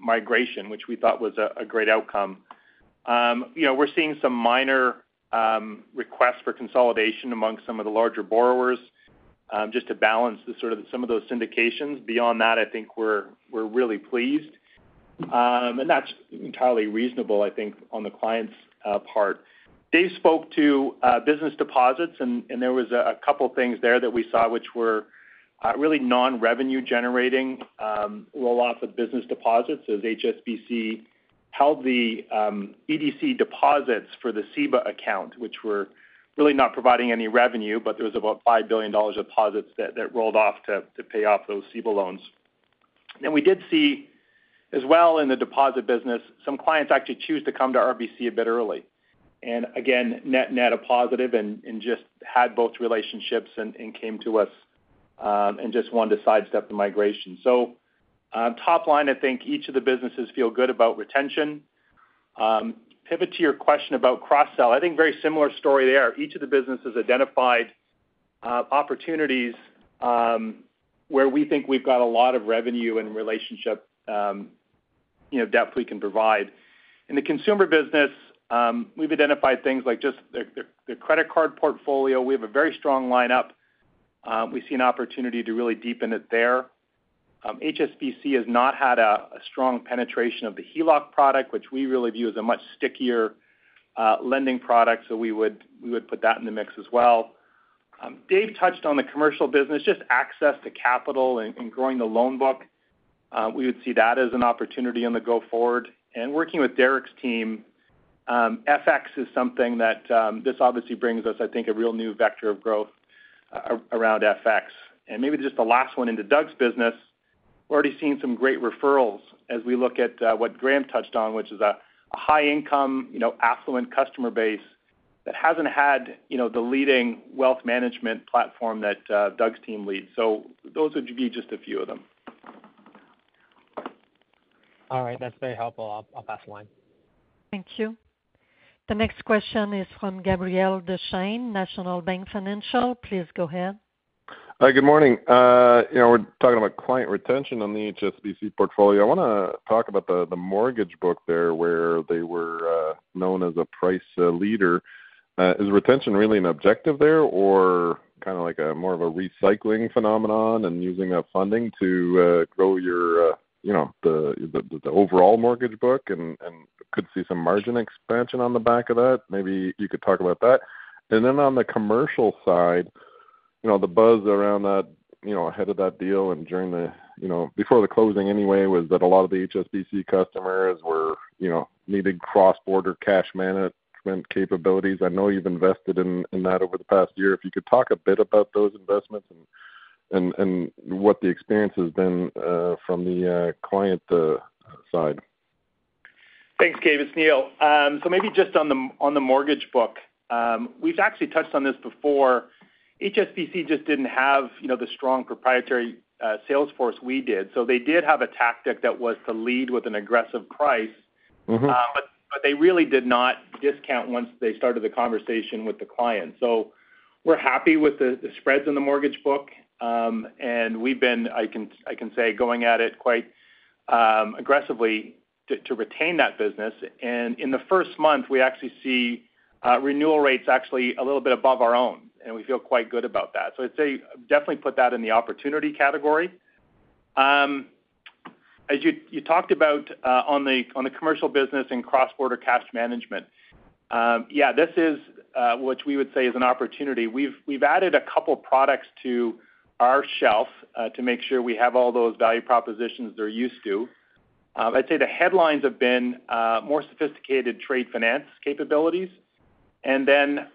migration, which we thought was a great outcome. You know, we're seeing some minor requests for consolidation amongst some of the larger borrowers, just to balance the sort of some of those syndications. Beyond that, I think we're really pleased. And that's entirely reasonable, I think, on the client's part. Dave spoke to business deposits, and there was a couple things there that we saw, which were really non-revenue generating rolloffs of business deposits, as HSBC held the EDC deposits for the CEBA account, which were really not providing any revenue, but there was about 5 billion dollars of deposits that rolled off to pay off those CEBA loans. Then we did see, as well in the deposit business, some clients actually choose to come to RBC a bit early. And again, net-net, a positive and just had both relationships and came to us, and just wanted to sidestep the migration. So, top line, I think each of the businesses feel good about retention. Pivot to your question about cross-sell. I think very similar story there. Each of the businesses identified opportunities where we think we've got a lot of revenue and relationship, you know, depth we can provide. In the consumer business, we've identified things like just the credit card portfolio. We have a very strong lineup. We see an opportunity to really deepen it there. HSBC has not had a strong penetration of the HELOC product, which we really view as a much stickier lending product, so we would put that in the mix as well. Dave touched on the commercial business, just access to capital and growing the loan book. We would see that as an opportunity in the go forward. And working with Derek's team, FX is something that this obviously brings us, I think, a real new vector of growth around FX. Maybe just the last one into Doug's business, we're already seeing some great referrals as we look at what Graeme touched on, which is a high income, you know, affluent customer base that hasn't had, you know, the leading wealth management platform that Doug's team leads. So those would be just a few of them. All right. That's very helpful. I'll, I'll pass the line. Thank you. The next question is from Gabriel Dechaine, National Bank Financial. Please go ahead. Hi, good morning. You know, we're talking about client retention on the HSBC portfolio. I wanna talk about the mortgage book there, where they were known as a price leader. Is retention really an objective there, or kind of like a more of a recycling phenomenon and using a funding to grow your, you know, the overall mortgage book and could see some margin expansion on the back of that? Maybe you could talk about that. And then on the commercial side, you know, the buzz around that, you know, ahead of that deal and during the, you know, before the closing anyway, was that a lot of the HSBC customers were, you know, needing cross-border cash management capabilities. I know you've invested in that over the past year. If you could talk a bit about those investments and what the experience has been from the client side. Thanks, Gabe, it's Neil. So maybe just on the mortgage book, we've actually touched on this before. HSBC just didn't have, you know, the strong proprietary sales force we did. So they did have a tactic that was to lead with an aggressive price. Mm-hmm. But they really did not discount once they started the conversation with the client. So we're happy with the spreads in the mortgage book. And we've been, I can say, going at it quite aggressively to retain that business. And in the first month, we actually see renewal rates actually a little bit above our own, and we feel quite good about that. So I'd say, definitely put that in the opportunity category. As you talked about, on the commercial business and cross-border cash management. Yeah, this is what we would say is an opportunity. We've added a couple products to our shelf to make sure we have all those value propositions they're used to. I'd say the headlines have been more sophisticated trade finance capabilities, and then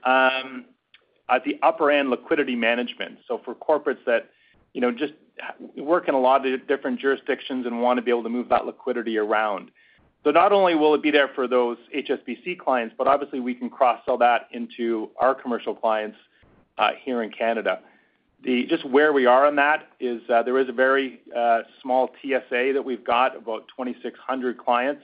at the upper end, liquidity management, so for corporates that, you know, just work in a lot of different jurisdictions and want to be able to move that liquidity around. So not only will it be there for those HSBC clients, but obviously we can cross-sell that into our commercial clients here in Canada. Just where we are on that is there is a very small TSA that we've got, about 2,600 clients,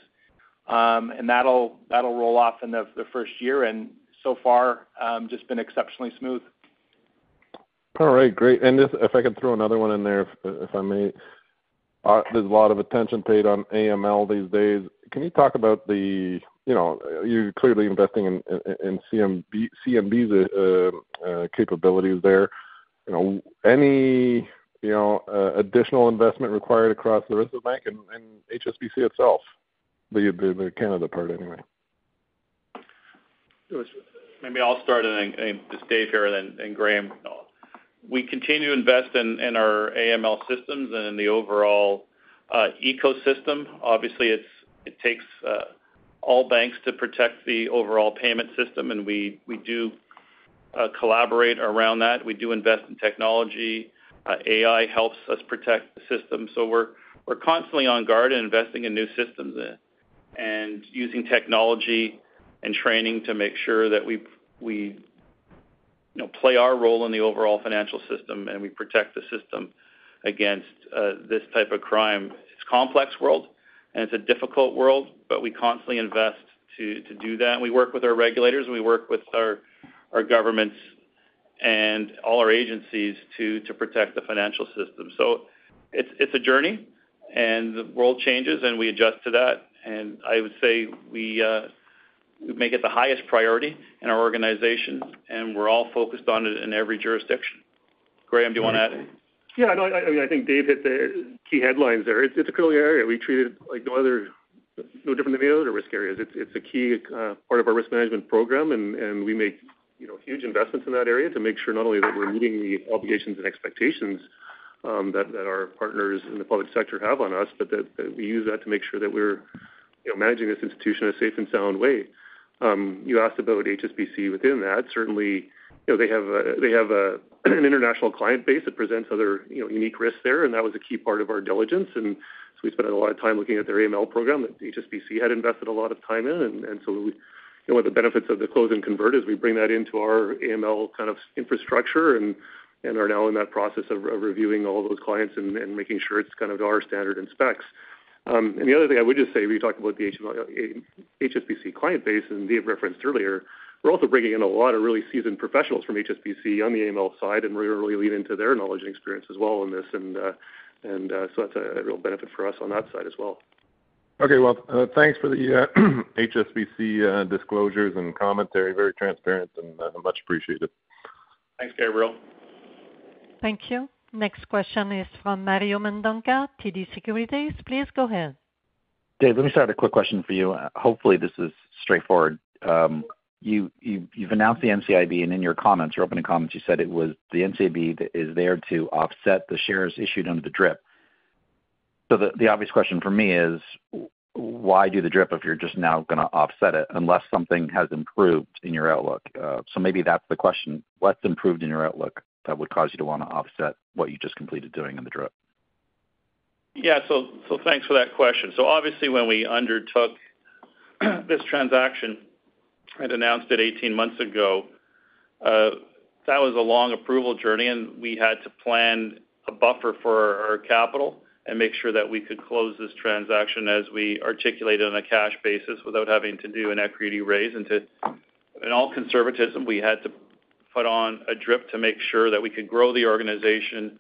and that'll, that'll roll off in the first year, and so far just been exceptionally smooth. All right, great. And just if I could throw another one in there, if I may. There's a lot of attention paid on AML these days. Can you talk about the. You know, you're clearly investing in CNB's capabilities there. You know, any additional investment required across the rest of the bank and HSBC itself, the Canada part, anyway? Maybe I'll start, and then Dave here and Graeme. We continue to invest in our AML systems and in the overall ecosystem. Obviously, it takes all banks to protect the overall payment system, and we do collaborate around that. We do invest in technology. AI helps us protect the system, so we're constantly on guard and investing in new systems there. And using technology and training to make sure that we, you know, play our role in the overall financial system, and we protect the system against this type of crime. It's a complex world, and it's a difficult world, but we constantly invest to do that. And we work with our regulators, and we work with our governments and all our agencies to protect the financial system. So it's a journey, and the world changes, and we adjust to that. And I would say we make it the highest priority in our organization, and we're all focused on it in every jurisdiction. Graeme, do you want to add anything? Yeah, no, I think Dave hit the key headlines there. It's a critical area. We treat it like no other, no different than any other risk areas. It's a key part of our risk management program, and we make, you know, huge investments in that area to make sure not only that we're meeting the obligations and expectations that our partners in the public sector have on us, but that we use that to make sure that we're, you know, managing this institution in a safe and sound way. You asked about HSBC within that. Certainly, you know, they have an international client base that presents other, you know, unique risks there, and that was a key part of our diligence. And so we spent a lot of time looking at their AML program that HSBC had invested a lot of time in. And so, you know, one of the benefits of the close and convert is we bring that into our AML kind of infrastructure and are now in that process of reviewing all those clients and making sure it's kind of our standard and specs. And the other thing I would just say, we talked about the HSBC client base, and Dave referenced earlier, we're also bringing in a lot of really seasoned professionals from HSBC on the AML side, and we're really leaning into their knowledge and experience as well in this. And so that's a real benefit for us on that side as well. Okay. Well, thanks for the HSBC disclosures and commentary. Very transparent and much appreciated. Thanks, Gabriel. Thank you. Next question is from Mario Mendonca, TD Securities. Please go ahead. Dave, let me start with a quick question for you. Hopefully, this is straightforward. You've announced the NCIB, and in your comments, your opening comments, you said it was the NCIB that is there to offset the shares issued under the DRIP. So the obvious question for me is, why do the DRIP if you're just now gonna offset it, unless something has improved in your outlook? So maybe that's the question: What's improved in your outlook that would cause you to want to offset what you just completed doing in the DRIP? Yeah. So, so thanks for that question. So obviously, when we undertook this transaction and announced it 18 months ago, that was a long approval journey, and we had to plan a buffer for our capital and make sure that we could close this transaction as we articulated on a cash basis, without having to do an equity raise. And to, in all conservatism, we had to put on a DRIP to make sure that we could grow the organization,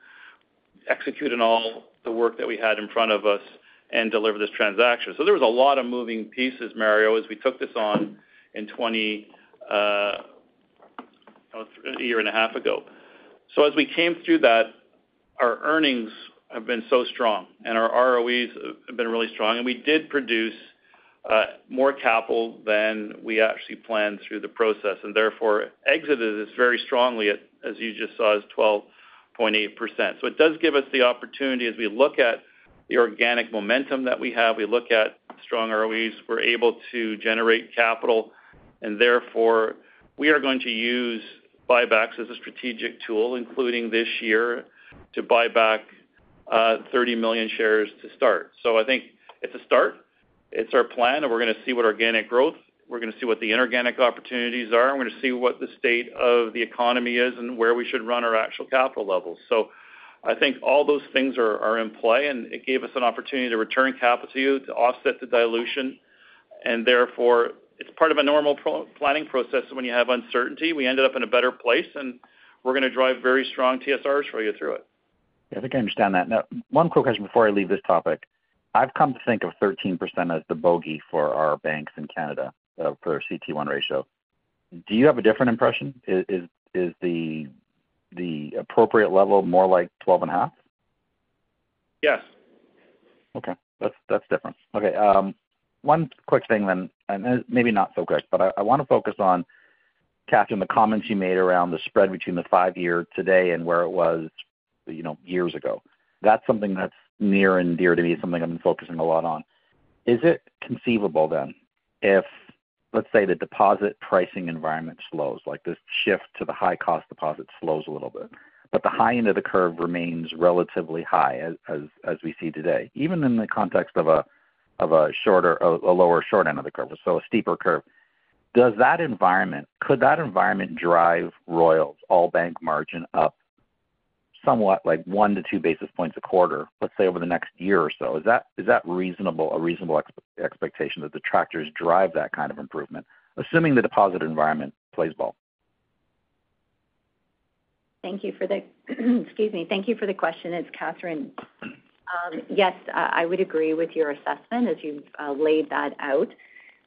execute on all the work that we had in front of us, and deliver this transaction. So there was a lot of moving pieces, Mario, as we took this on in 20, a year and a half ago. So as we came through that, our earnings have been so strong, and our ROEs have been really strong, and we did produce more capital than we actually planned through the process, and therefore, exited this very strongly, as, as you just saw, as 12.8%. So it does give us the opportunity, as we look at the organic momentum that we have, we look at strong ROEs, we're able to generate capital, and therefore, we are going to use buybacks as a strategic tool, including this year, to buy back 30 million shares to start. So I think it's a start. It's our plan, and we're gonna see what organic growth, we're gonna see what the inorganic opportunities are. We're gonna see what the state of the economy is and where we should run our actual capital levels. So I think all those things are in play, and it gave us an opportunity to return capital to you to offset the dilution. And therefore, it's part of a normal pro-planning process when you have uncertainty. We ended up in a better place, and we're gonna drive very strong TSRs for you through it. Yeah, I think I understand that. Now, one quick question before I leave this topic. I've come to think of 13% as the bogey for our banks in Canada per CET1 ratio. Do you have a different impression? Is the appropriate level more like 12.5%? Yes. Okay. That's different. Okay, one quick thing then, and maybe not so quick, but I want to focus on, Katherine, the comments you made around the spread between the five-year today and where it was, you know, years ago. That's something that's near and dear to me, something I've been focusing a lot on. Is it conceivable then if, let's say, the deposit pricing environment slows, like this shift to the high-cost deposit slows a little bit, but the high end of the curve remains relatively high, as we see today, even in the context of a shorter. A lower short end of the curve, so a steeper curve, does that environment, could that environment drive RBC's all-bank margin up somewhat, like 1-2 basis points a quarter, let's say, over the next year or so? Is that a reasonable expectation that the factors drive that kind of improvement, assuming the deposit environment plays ball? Thank you for the question. Excuse me, it's Katherine. Yes, I would agree with your assessment as you've laid that out.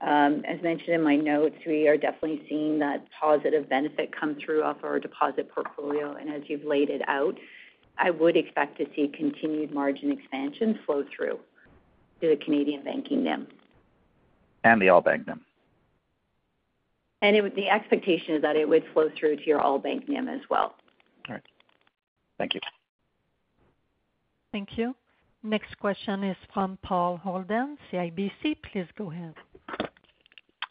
As mentioned in my notes, we are definitely seeing that positive benefit come through off our deposit portfolio. And as you've laid it out, I would expect to see continued margin expansion flow through to the Canadian Banking NIM. The all-bank NIM. The expectation is that it would flow through to your all-bank NIM as well. All right. Thank you. Thank you. Next question is from Paul Holden, CIBC. Please go ahead.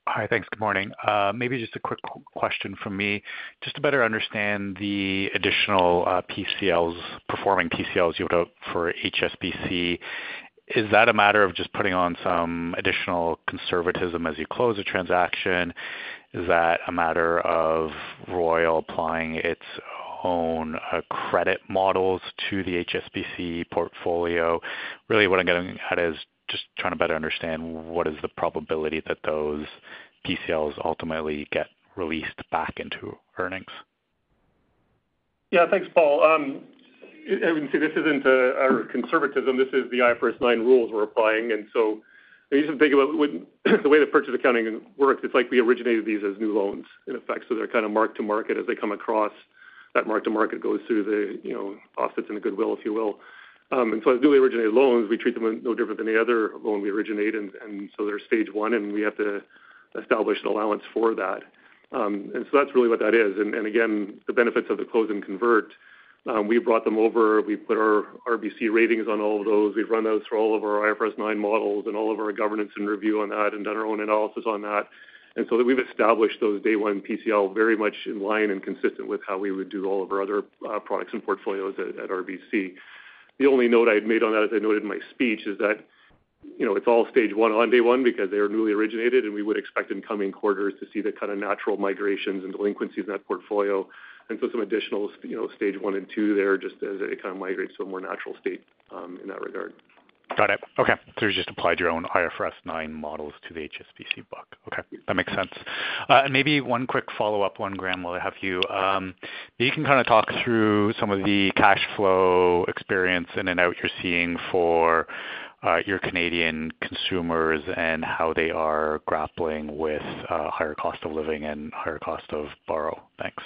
Hi, thanks. Good morning. Maybe just a quick question from me. Just to better understand the additional performing PCLs you wrote for HSBC, is that a matter of just putting on some additional conservatism as you close a transaction? Is that a matter of Royal applying its own credit models to the HSBC portfolio? Really, what I'm getting at is just trying to better understand what is the probability that those PCLs ultimately get released back into earnings? Yeah, thanks, Paul. I would say this isn't our conservatism, this is the IFRS 9 rules we're applying. And so I usually think about when, the way the purchase accounting works, it's like we originated these as new loans, in effect. So they're kind of mark to market as they come across. That mark to market goes through the, you know, offsets and the goodwill, if you will. And so as newly originated loans, we treat them no different than any other loan we originate, and, and so they're Stage 1, and we have to establish an allowance for that. And so that's really what that is. And, and again, the benefits of the close and convert, we brought them over, we put our RBC ratings on all of those. We've run those through all of our IFRS 9 models and all of our governance and review on that, and done our own analysis on that. And so that we've established those day one PCL very much in line and consistent with how we would do all of our other products and portfolios at RBC. The only note I'd made on that, as I noted in my speech, is that, you know, it's all Stage 1 on day one because they are newly originated, and we would expect in coming quarters to see the kind of natural migrations and delinquencies in that portfolio. And so some additional, you know, Stage 1 and 2 there, just as it kind of migrates to a more natural state in that regard. Got it. Okay. So you just applied your own IFRS 9 models to the HSBC book. Okay, that makes sense. And maybe one quick follow-up on Graeme will have you. You can kind of talk through some of the cash flow experience in and out you're seeing for your Canadian consumers and how they are grappling with higher cost of living and higher cost of borrow. Thanks.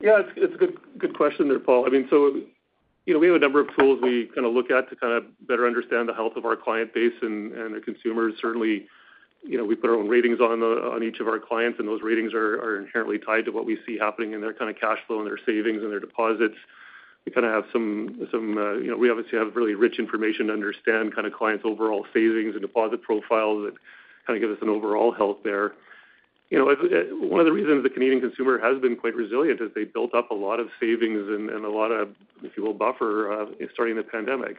Yeah, it's a good question there, Paul. I mean, so, you know, we have a number of tools we kind of look at to kind of better understand the health of our client base and the consumers. Certainly, you know, we put our own ratings on each of our clients, and those ratings are inherently tied to what we see happening in their kind of cash flow and their savings and their deposits. We kind of have, you know, we obviously have really rich information to understand kind of clients' overall savings and deposit profiles that kind of give us an overall health there. You know, one of the reasons the Canadian consumer has been quite resilient is they built up a lot of savings and a lot of, if you will, buffer starting the pandemic.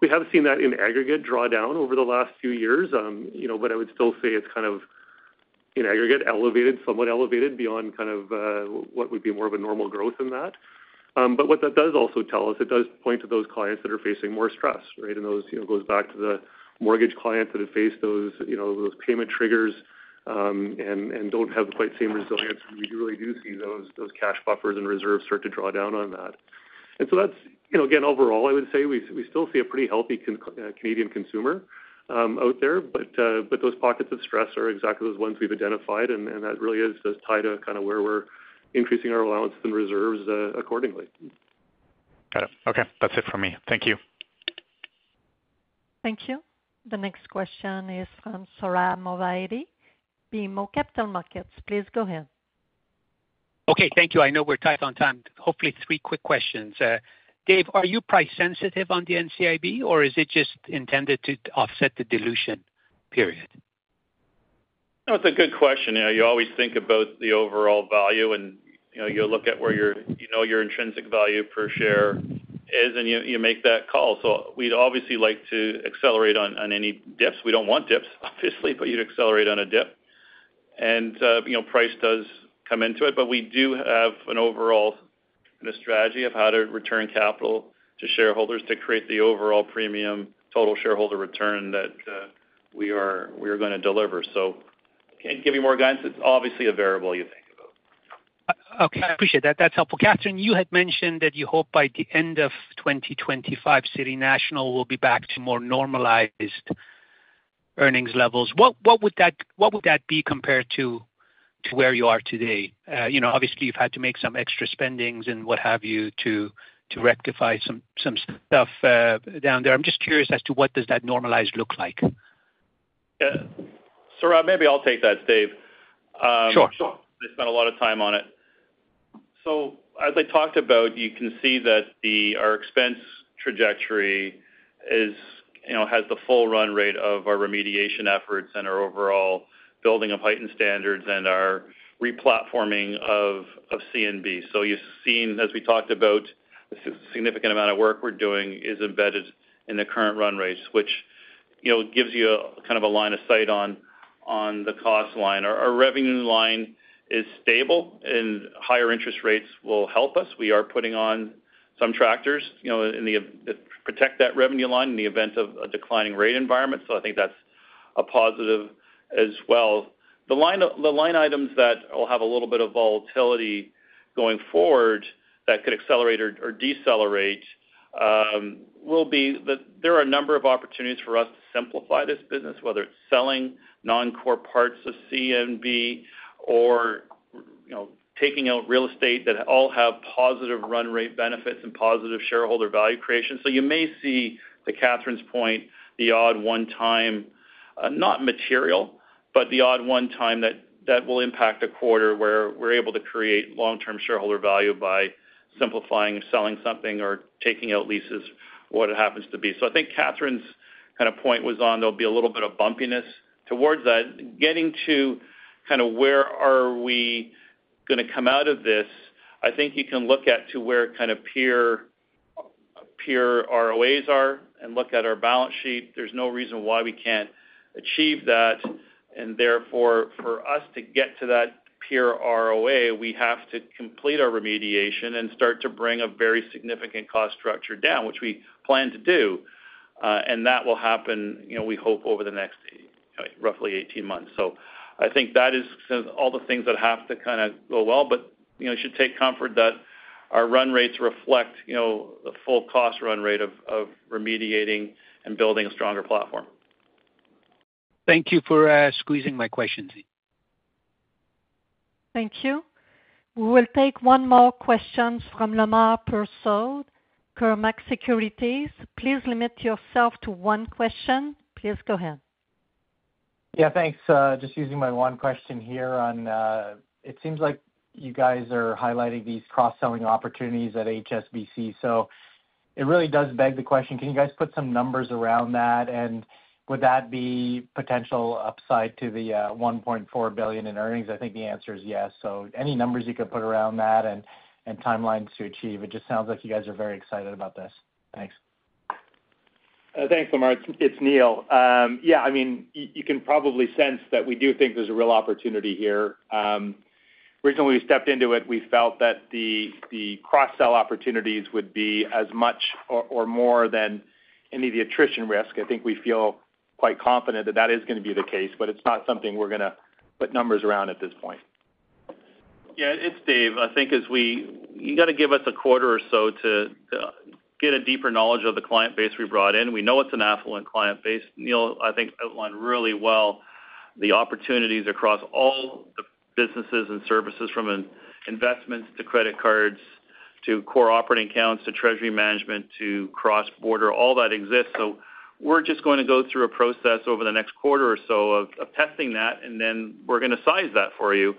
We have seen that in aggregate drawdown over the last few years. You know, but I would still say it's kind of in aggregate, elevated, somewhat elevated beyond kind of what would be more of a normal growth in that. But what that does also tell us, it does point to those clients that are facing more stress, right? And those, you know, goes back to the mortgage clients that have faced those, you know, those payment triggers, and don't have the quite same resilience. We really do see those cash buffers and reserves start to draw down on that. And so that's. You know, again, overall, I would say we, we still see a pretty healthy Canadian consumer out there, but, but those pockets of stress are exactly the ones we've identified, and, and that really is just tied to kind of where we're increasing our allowance and reserves, accordingly. Got it. Okay, that's it for me. Thank you. Thank you. The next question is from Sohrab Movahedi, BMO Capital Markets. Please go ahead. Okay, thank you. I know we're tight on time. Hopefully, three quick questions. Dave, are you price sensitive on the NCIB, or is it just intended to offset the dilution period? No, it's a good question. You know, you always think about the overall value, and, you know, you look at where your, you know, your intrinsic value per share is, and you make that call. So we'd obviously like to accelerate on any dips. We don't want dips, obviously, but you'd accelerate on a dip. And, you know, price does come into it, but we do have an overall strategy of how to return capital to shareholders to create the overall premium total shareholder return that we are gonna deliver. So can't give you more guidance. It's obviously a variable you think about. Okay, I appreciate that. That's helpful. Katherine, you had mentioned that you hope by the end of 2025, City National will be back to more normalized earnings levels. What would that be compared to where you are today? You know, obviously, you've had to make some extra spendings and what have you, to rectify some stuff down there. I'm just curious as to what does that normalized look like? Sohrab, maybe I'll take that, Dave. Sure, sure. I spent a lot of time on it. So as I talked about, you can see that our expense trajectory is, you know, has the full run rate of our remediation efforts and our overall building of heightened standards and our re-platforming of CNB. So you've seen, as we talked about, a significant amount of work we're doing is embedded in the current run rates, which, you know, gives you a kind of a line of sight on the cost line. Our revenue line is stable, and higher interest rates will help us. We are putting on some structures, you know, in the to protect that revenue line in the event of a declining rate environment. So I think that's a positive as well. The line items that will have a little bit of volatility going forward that could accelerate or, or decelerate, will be that there are a number of opportunities for us to simplify this business, whether it's selling non-core parts of CNB or, you know, taking out real estate that all have positive run rate benefits and positive shareholder value creation. So you may see, to Katherine's point, the odd one time, not material, but the odd one time that, that will impact a quarter, where we're able to create long-term shareholder value by simplifying, selling something, or taking out leases, what it happens to be. So I think Katherine's kind of point was on, there'll be a little bit of bumpiness towards that. Getting to kind of where are we gonna come out of this? I think you can look at to where kind of peer, peer ROAs are and look at our balance sheet. There's no reason why we can't achieve that, and therefore, for us to get to that peer ROA, we have to complete our remediation and start to bring a very significant cost structure down, which we plan to do. And that will happen, you know, we hope over the next roughly 18 months. So I think that is kind of all the things that have to kind of go well, but, you know, you should take comfort that our run rates reflect, you know, the full cost run rate of remediating and building a stronger platform. Thank you for squeezing my questions in. Thank you. We will take one more question from Lemar Persaud, Cormark Securities. Please limit yourself to one question. Please go ahead. Yeah, thanks. Just using my one question here on, it seems like you guys are highlighting these cross-selling opportunities at HSBC. So it really does beg the question: Can you guys put some numbers around that? And would that be potential upside to the, 1.4 billion in earnings? I think the answer is yes. So any numbers you could put around that and, and timelines to achieve? It just sounds like you guys are very excited about this. Thanks. Thanks, Lemar. It's Neil. Yeah, I mean, you can probably sense that we do think there's a real opportunity here. Originally, when we stepped into it, we felt that the cross-sell opportunities would be as much or more than any of the attrition risk. I think we feel quite confident that that is gonna be the case, but it's not something we're gonna put numbers around at this point. Yeah, it's Dave. I think as we—you gotta give us a quarter or so to get a deeper knowledge of the client base we brought in. We know it's an affluent client base. Neil, I think, outlined really well the opportunities across all the businesses and services, from investments to credit cards, to core operating accounts, to treasury management, to cross-border. All that exists. So we're just going to go through a process over the next quarter or so of testing that, and then we're gonna size that for you,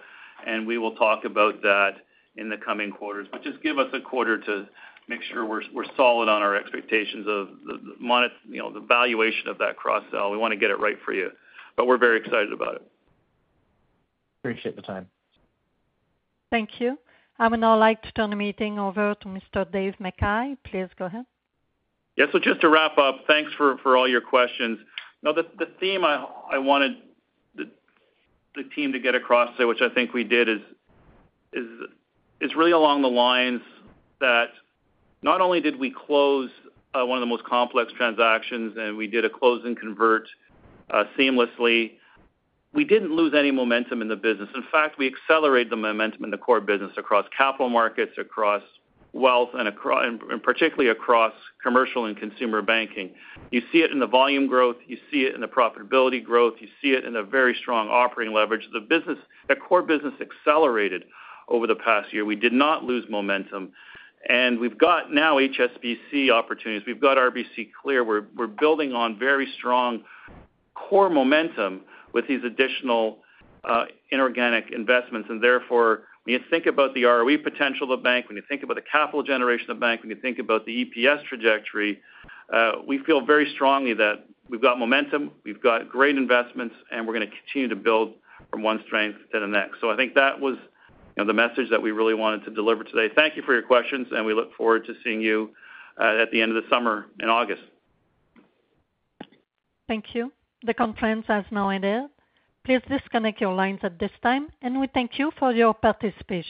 and we will talk about that in the coming quarters. But just give us a quarter to make sure we're solid on our expectations of the monet- you know, the valuation of that cross-sell. We wanna get it right for you, but we're very excited about it. Appreciate the time. Thank you. I would now like to turn the meeting over to Mr. Dave McKay. Please go ahead. Yeah, so just to wrap up, thanks for all your questions. Now, the theme I wanted the team to get across today, which I think we did, is really along the lines that not only did we close one of the most complex transactions, and we did a close and convert seamlessly, we didn't lose any momentum in the business. In fact, we accelerated the momentum in the core business across Capital Markets, across wealth, and particularly across commercial and consumer banking. You see it in the volume growth, you see it in the profitability growth, you see it in the very strong operating leverage. The business, the core business accelerated over the past year. We did not lose momentum, and we've got now HSBC opportunities. We've got RBC Clear. We're building on very strong core momentum with these additional inorganic investments. Therefore, when you think about the ROE potential of the bank, when you think about the capital generation of the bank, when you think about the EPS trajectory, we feel very strongly that we've got momentum, we've got great investments, and we're gonna continue to build from one strength to the next. I think that was, you know, the message that we really wanted to deliver today. Thank you for your questions, and we look forward to seeing you at the end of the summer in August. Thank you. The conference has now ended. Please disconnect your lines at this time, and we thank you for your participation.